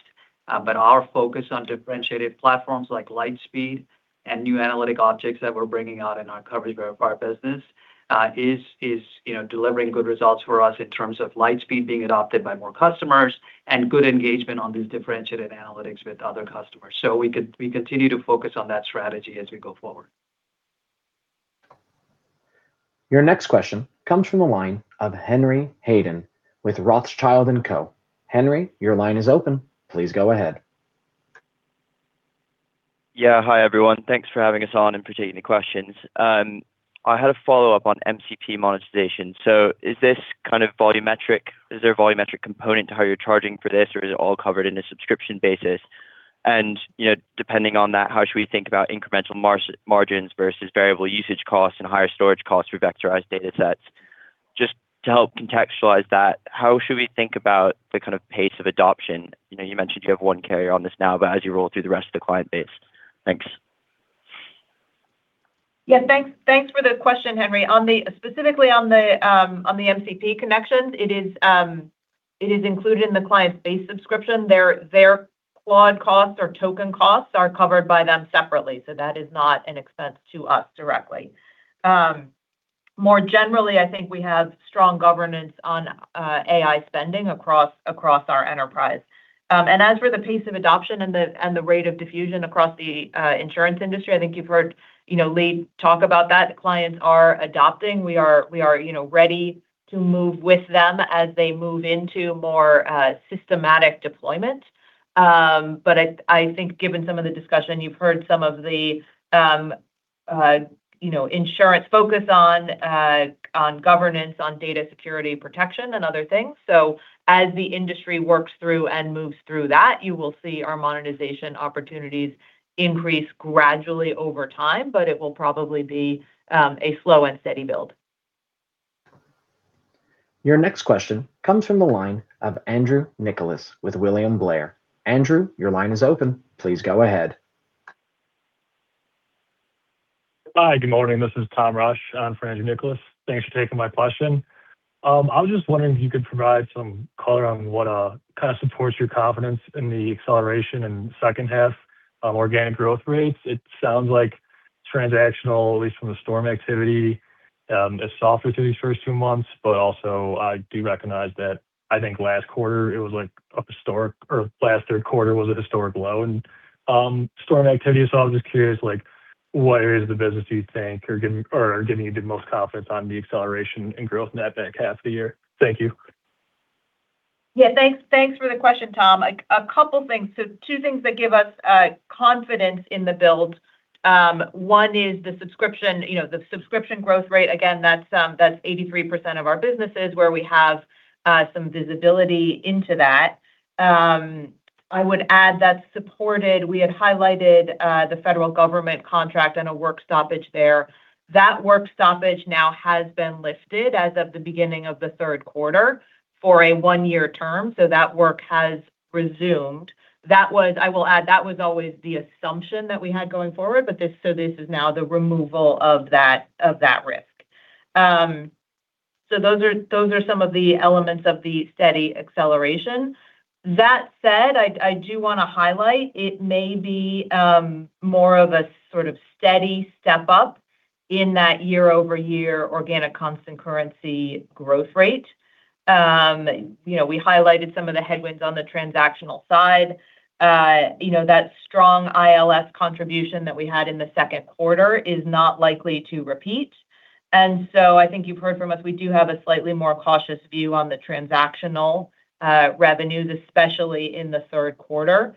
but our focus on differentiated platforms like LightSpeed and new analytic objects that we're bringing out in our Coverage Verifier business is delivering good results for us in terms of LightSpeed being adopted by more customers and good engagement on these differentiated analytics with other customers. We continue to focus on that strategy as we go forward. Your next question comes from the line of Henry Hayden with Rothschild & Co. Henry, your line is open. Please go ahead. Yeah. Hi, everyone. Thanks for having us on and taking the questions. I had a follow-up on MCP monetization. Is there a volumetric component to how you're charging for this, or is it all covered in a subscription basis? Depending on that, how should we think about incremental margins versus variable usage costs and higher storage costs for vectorized datasets? Just to help contextualize that, how should we think about the pace of adoption? You mentioned you have one carrier on this now, but as you roll through the rest of the client base. Thanks. Yeah. Thanks for the question, Henry. Specifically on the MCP connections, it is included in the client's base subscription. Their quad costs or token costs are covered by them separately. That is not an expense to us directly. More generally, I think we have strong governance on AI spending across our enterprise. As for the pace of adoption and the rate of diffusion across the insurance industry, I think you've heard Lee talk about that. Clients are adopting. We are ready to move with them as they move into more systematic deployment. I think given some of the discussion, you've heard some of the insurance focus on governance, on data security protection, and other things. As the industry works through and moves through that, you will see our monetization opportunities increase gradually over time, but it will probably be a slow and steady build. Your next question comes from the line of Andrew Nicholas with William Blair. Andrew, your line is open. Please go ahead. Hi, good morning. This is Tom Rush for Andrew Nicholas. Thanks for taking my question. I was just wondering if you could provide some color on what kind of supports your confidence in the acceleration in the second half of organic growth rates. It sounds like transactional, at least from the storm activity, is softer through these first two months, I do recognize that I think last third quarter was a historic low in storm activity. I was just curious, what areas of the business do you think are giving you the most confidence on the acceleration in growth in that back half of the year? Thank you. Yeah. Thanks for the question, Tom. A couple things. Two things that give us confidence in the build. One is the subscription growth rate. Again, that's 83% of our businesses where we have some visibility into that. I would add that's supported. We had highlighted the federal government contract and a work stoppage there. That work stoppage now has been lifted as of the beginning of the third quarter for a one-year term. That work has resumed. I will add, that was always the assumption that we had going forward, this is now the removal of that risk. Those are some of the elements of the steady acceleration. That said, I do want to highlight it may be more of a sort of steady step-up in that year-over-year organic constant currency growth rate. We highlighted some of the headwinds on the transactional side. That strong ILS contribution that we had in the second quarter is not likely to repeat. I think you've heard from us, we do have a slightly more cautious view on the transactional revenues, especially in the third quarter,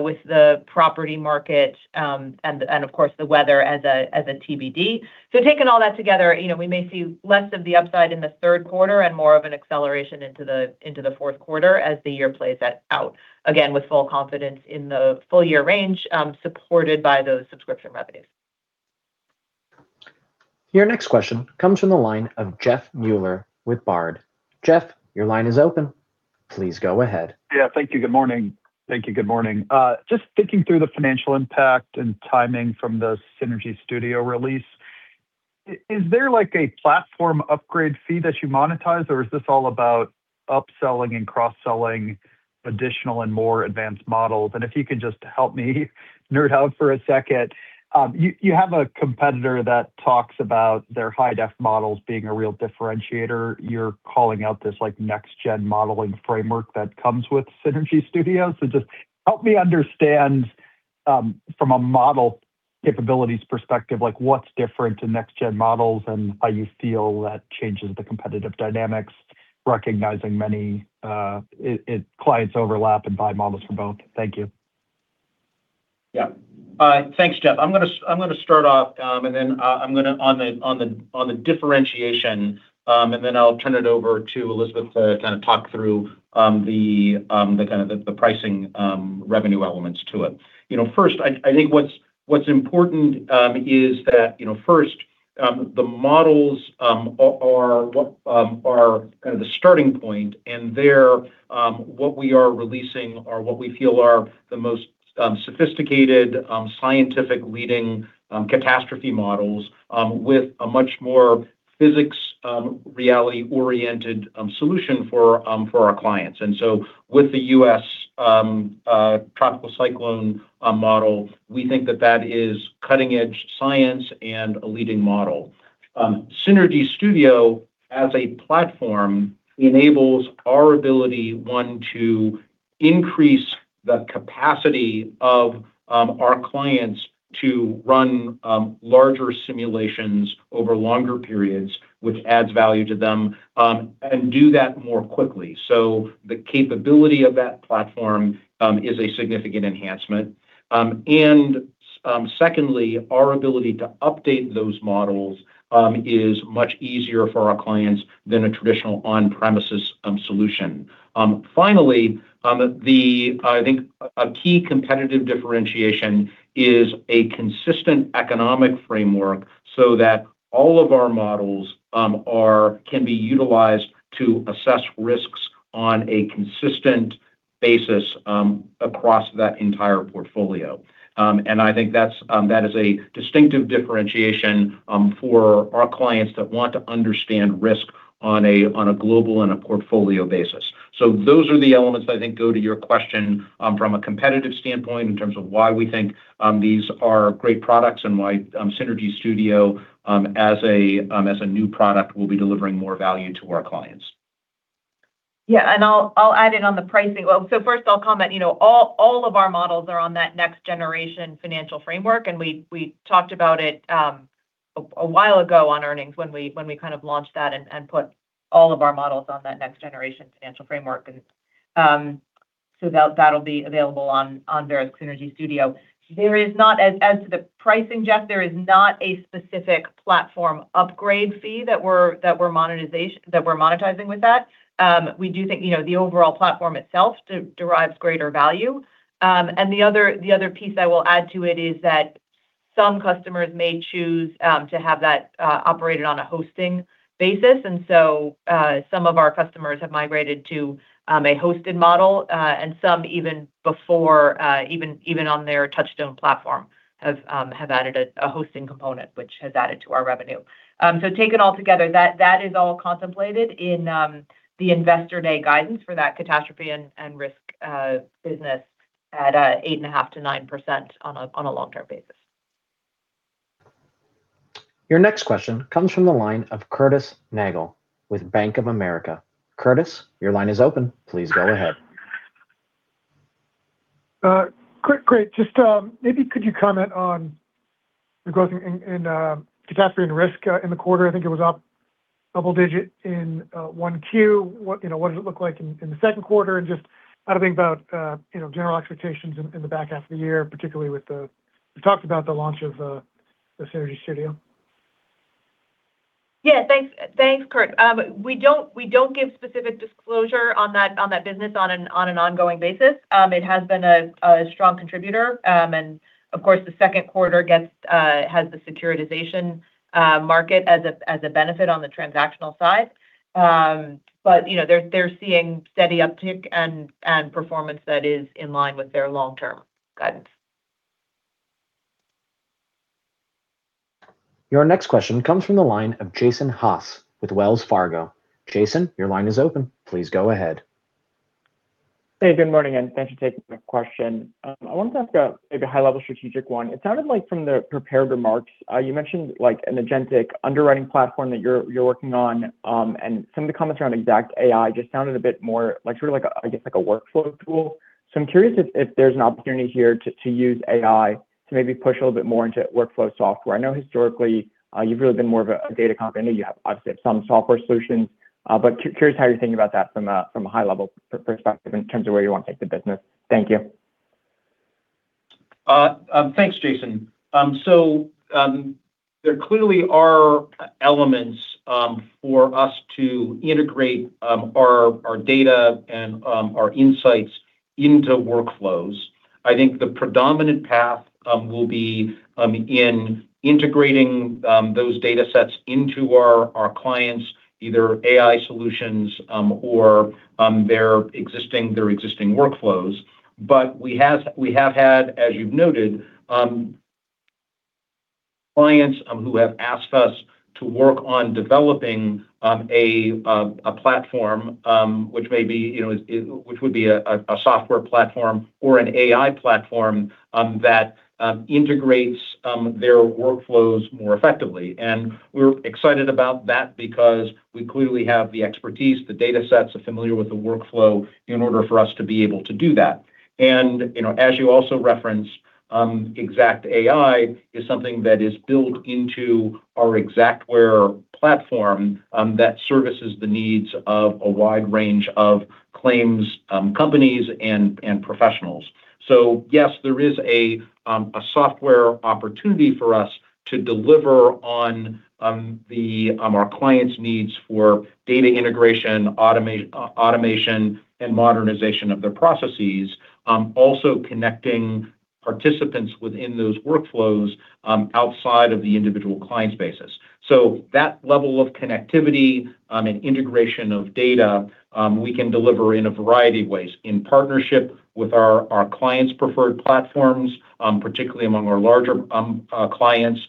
with the property market, and of course, the weather as a TBD. Taking all that together, we may see less of the upside in the third quarter and more of an acceleration into the fourth quarter as the year plays out. Again, with full confidence in the full-year range supported by those subscription revenues. Your next question comes from the line of Jeff Meuler with Baird. Jeff, your line is open. Please go ahead. Thank you. Good morning. Just thinking through the financial impact and timing from the Synergy Studio release. Is there a platform upgrade fee that you monetize, or is this all about upselling and cross-selling additional and more advanced models? If you could just help me nerd out for a second. You have a competitor that talks about their high-def models being a real differentiator. You're calling out this next-gen modeling framework that comes with Synergy Studio. Just help me understand from a model capabilities perspective, what's different to next-gen models and how you feel that changes the competitive dynamics, recognizing many clients overlap and buy models from both. Thank you. Yeah. Thanks, Jeff. I'm going to start off on the differentiation, then I'll turn it over to Elizabeth to kind of talk through the pricing revenue elements to it. First, I think what's important is that. The models are kind of the starting point, and they're what we are releasing are what we feel are the most sophisticated, scientific-leading catastrophe models with a much more physics, reality-oriented solution for our clients. With the U.S. Tropical Cyclone Model, we think that that is cutting-edge science and a leading model. Synergy Studio, as a platform, enables our ability, one, to increase the capacity of our clients to run larger simulations over longer periods, which adds value to them, and do that more quickly. The capability of that platform is a significant enhancement. Secondly, our ability to update those models is much easier for our clients than a traditional on-premises solution. Finally, I think a key competitive differentiation is a consistent economic framework so that all of our models can be utilized to assess risks on a consistent basis across that entire portfolio. I think that is a distinctive differentiation for our clients that want to understand risk on a global and a portfolio basis. Those are the elements that I think go to your question from a competitive standpoint in terms of why we think these are great products and why Synergy Studio as a new product will be delivering more value to our clients. I'll add in on the pricing. First, I'll comment, all of our models are on that next generation financial framework. We talked about it a while ago on earnings when we kind of launched that and put all of our models on that next generation financial framework. That'll be available on Verisk Synergy Studio. As to the pricing, Jeff, there is not a specific platform upgrade fee that we're monetizing with that. We do think the overall platform itself derives greater value. The other piece I will add to it is that some customers may choose to have that operated on a hosting basis. Some of our customers have migrated to a hosted model, and some even before, even on their Touchstone platform have added a hosting component, which has added to our revenue. Taken all together, that is all contemplated in the Investor Day guidance for that catastrophe and risk business at 8.5%-9% on a long-term basis. Your next question comes from the line of Curtis Nagle with Bank of America. Curtis, your line is open. Please go ahead. Great. Just maybe could you comment on the growth in catastrophe and risk in the quarter? I think it was up double-digit in 1Q. What does it look like in the second quarter? Just how to think about general expectations in the back half of the year, particularly with the launch of the Synergy Studio. Yeah. Thanks, Curtis. We don't give specific disclosure on that business on an ongoing basis. It has been a strong contributor, and of course, the second quarter has the securitization market as a benefit on the transactional side. They're seeing steady uptick and performance that is in line with their long-term guidance. Your next question comes from the line of Jason Haas with Wells Fargo. Jason, your line is open. Please go ahead. Hey, good morning, thanks for taking my question. I wanted to ask maybe a high-level strategic one. It sounded like from the prepared remarks, you mentioned an agentic underwriting platform that you're working on, and some of the comments around XactAI just sounded a bit more like sort of a workflow tool. I'm curious if there's an opportunity here to use AI to maybe push a little bit more into workflow software. I know historically you've really been more of a data company. I know you have obviously some software solutions, curious how you're thinking about that from a high-level perspective in terms of where you want to take the business. Thank you. Thanks, Jason. There clearly are elements for us to integrate our data and our insights into workflows. I think the predominant path will be in integrating those data sets into our clients, either AI solutions or their existing workflows. We have had, as you've noted, clients who have asked us to work on developing a platform, which would be a software platform or an AI platform that integrates their workflows more effectively. We're excited about that because we clearly have the expertise, the data sets are familiar with the workflow in order for us to be able to do that. As you also referenced, XactAI is something that is built into our Xactware platform that services the needs of a wide range of claims companies and professionals. Yes, there is a software opportunity for us to deliver on our clients' needs for data integration, automation, and modernization of their processes. Also connecting participants within those workflows outside of the individual client spaces. That level of connectivity and integration of data, we can deliver in a variety of ways in partnership with our clients' preferred platforms, particularly among our larger clients,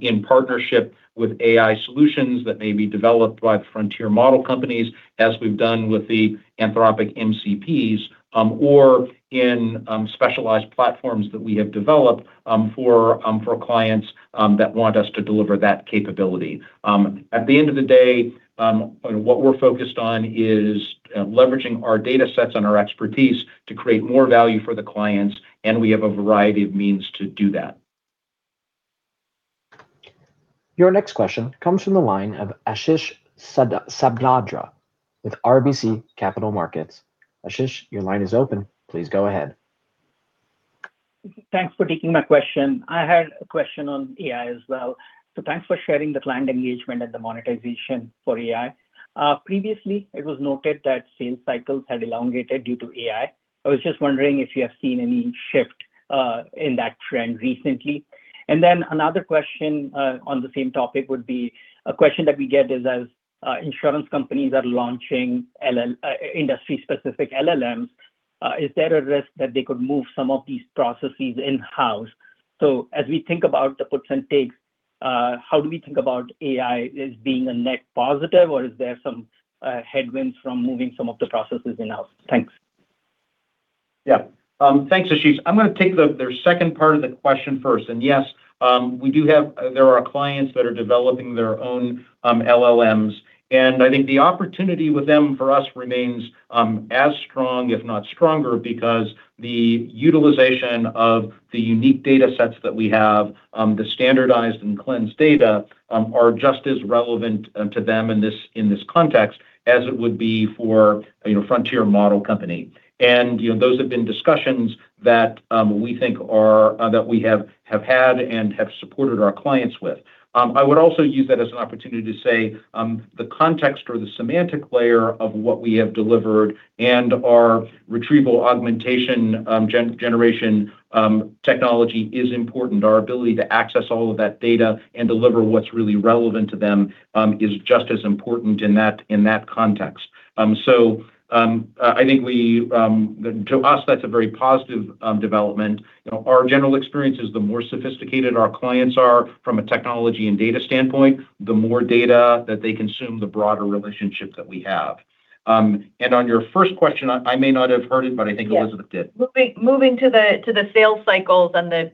in partnership with AI solutions that may be developed by Frontier Model companies as we've done with the Anthropic MCPs, or in specialized platforms that we have developed for clients that want us to deliver that capability. At the end of the day, what we're focused on is leveraging our data sets and our expertise to create more value for the clients, and we have a variety of means to do that. Your next question comes from the line of Ashish Sabadra with RBC Capital Markets. Ashish, your line is open. Please go ahead. Thanks for taking my question. I had a question on AI as well. Thanks for sharing the client engagement and the monetization for AI. Previously, it was noted that sales cycles had elongated due to AI. I was just wondering if you have seen any shift in that trend recently. Another question on the same topic would be a question that we get is as insurance companies are launching industry-specific LLMs, is there a risk that they could move some of these processes in-house? As we think about the puts and takes, how do we think about AI as being a net positive or are there some headwinds from moving some of the processes in-house? Thanks. Yeah. Thanks, Ashish. I'm going to take the second part of the question first. Yes, there are clients that are developing their own LLMs, and I think the opportunity with them for us remains as strong, if not stronger, because the utilization of the unique data sets that we have, the standardized and cleansed data, are just as relevant to them in this context as it would be for Frontier Model Company. Those have been discussions that we have had and have supported our clients with. I would also use that as an opportunity to say the context or the semantic layer of what we have delivered and our retrieval augmentation generation technology is important. Our ability to access all of that data and deliver what's really relevant to them is just as important in that context. To us, that's a very positive development. Our general experience is the more sophisticated our clients are from a technology and data standpoint, the more data that they consume, the broader relationships that we have. On your first question, I may not have heard it, but I think Elizabeth did. Moving to the sales cycles and the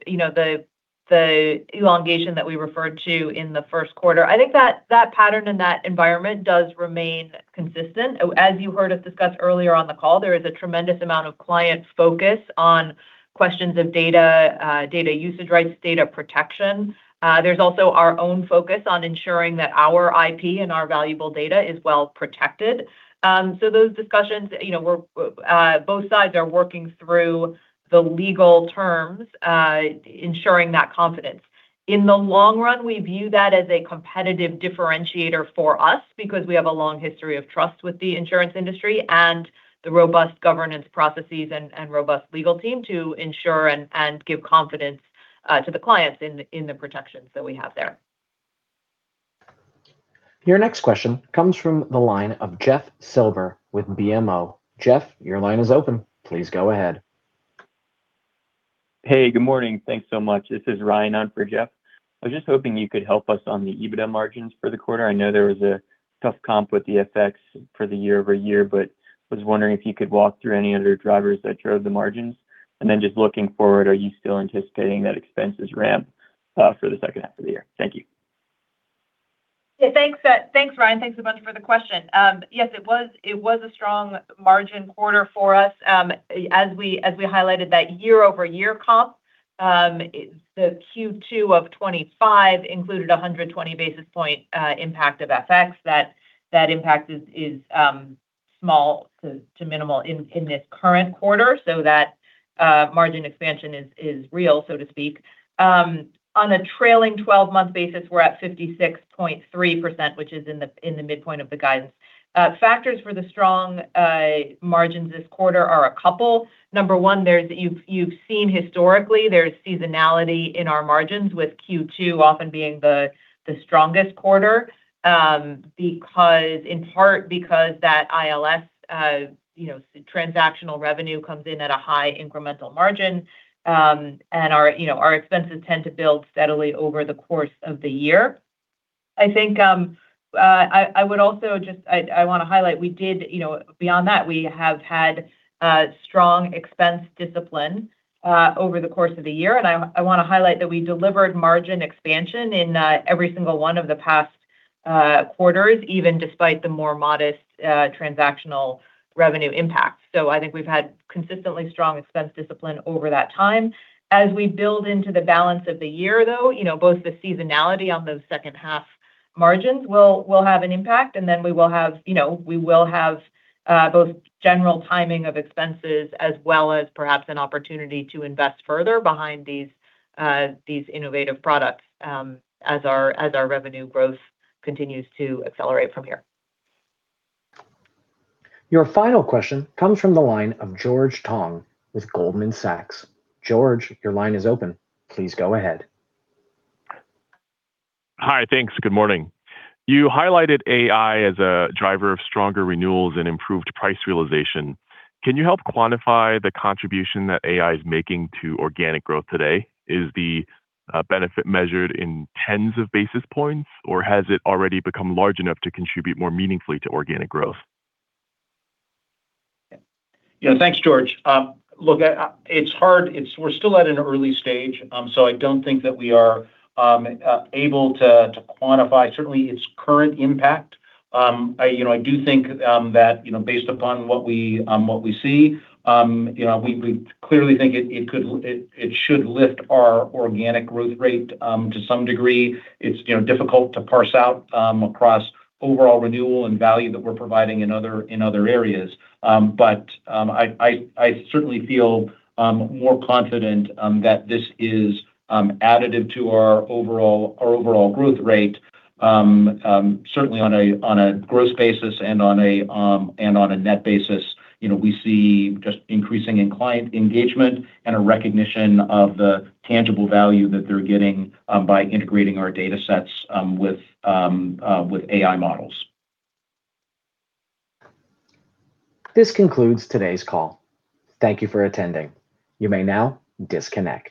elongation that we referred to in the first quarter. I think that that pattern and that environment does remain consistent. As you heard us discuss earlier on the call, there is a tremendous amount of client focus on questions of data usage rights, data protection. There's also our own focus on ensuring that our IP and our valuable data is well protected. Those discussions, both sides are working through the legal terms, ensuring that confidence. In the long run, we view that as a competitive differentiator for us because we have a long history of trust with the insurance industry and the robust governance processes and robust legal team to ensure and give confidence to the clients in the protections that we have there. Your next question comes from the line of Jeff Silber with BMO. Jeff, your line is open. Please go ahead. Hey, good morning. Thanks so much. This is Ryan on for Jeff. I was just hoping you could help us on the EBITDA margins for the quarter. I know there was a tough comp with the FX for the year-over-year, but was wondering if you could walk through any other drivers that drove the margins. Just looking forward, are you still anticipating that expenses ramp for the second half of the year? Thank you. Yeah. Thanks, Ryan. Thanks a bunch for the question. Yes, it was a strong margin quarter for us. As we highlighted that year-over-year comp, the Q2 of 2025 included 120 basis points impact of FX. That impact is small to minimal in this current quarter. That margin expansion is real, so to speak. On a trailing 12-month basis, we're at 56.3%, which is in the midpoint of the guidance. Factors for the strong margins this quarter are a couple. Number one, you've seen historically there's seasonality in our margins with Q2 often being the strongest quarter in part because that ILS transactional revenue comes in at a high incremental margin, and our expenses tend to build steadily over the course of the year. I want to highlight, beyond that, we have had strong expense discipline over the course of the year. I want to highlight that we delivered margin expansion in every single one of the past quarters, even despite the more modest transactional revenue impact. I think we've had consistently strong expense discipline over that time. As we build into the balance of the year, though, both the seasonality on the second half. Margins will have an impact, and then we will have both general timing of expenses as well as perhaps an opportunity to invest further behind these innovative products as our revenue growth continues to accelerate from here. Your final question comes from the line of George Tong with Goldman Sachs. George, your line is open. Please go ahead. Hi. Thanks. Good morning. You highlighted AI as a driver of stronger renewals and improved price realization. Can you help quantify the contribution that AI is making to organic growth today? Is the benefit measured in tens of basis points, or has it already become large enough to contribute more meaningfully to organic growth? Yeah. Thanks, George. Look, it's hard. We're still at an early stage, I don't think that we are able to quantify certainly its current impact. I do think that based upon what we see, we clearly think it should lift our organic growth rate to some degree. It's difficult to parse out across overall renewal and value that we're providing in other areas. I certainly feel more confident that this is additive to our overall growth rate, certainly on a gross basis and on a net basis. We see just increasing in client engagement and a recognition of the tangible value that they're getting by integrating our data sets with AI models. This concludes today's call. Thank you for attending. You may now disconnect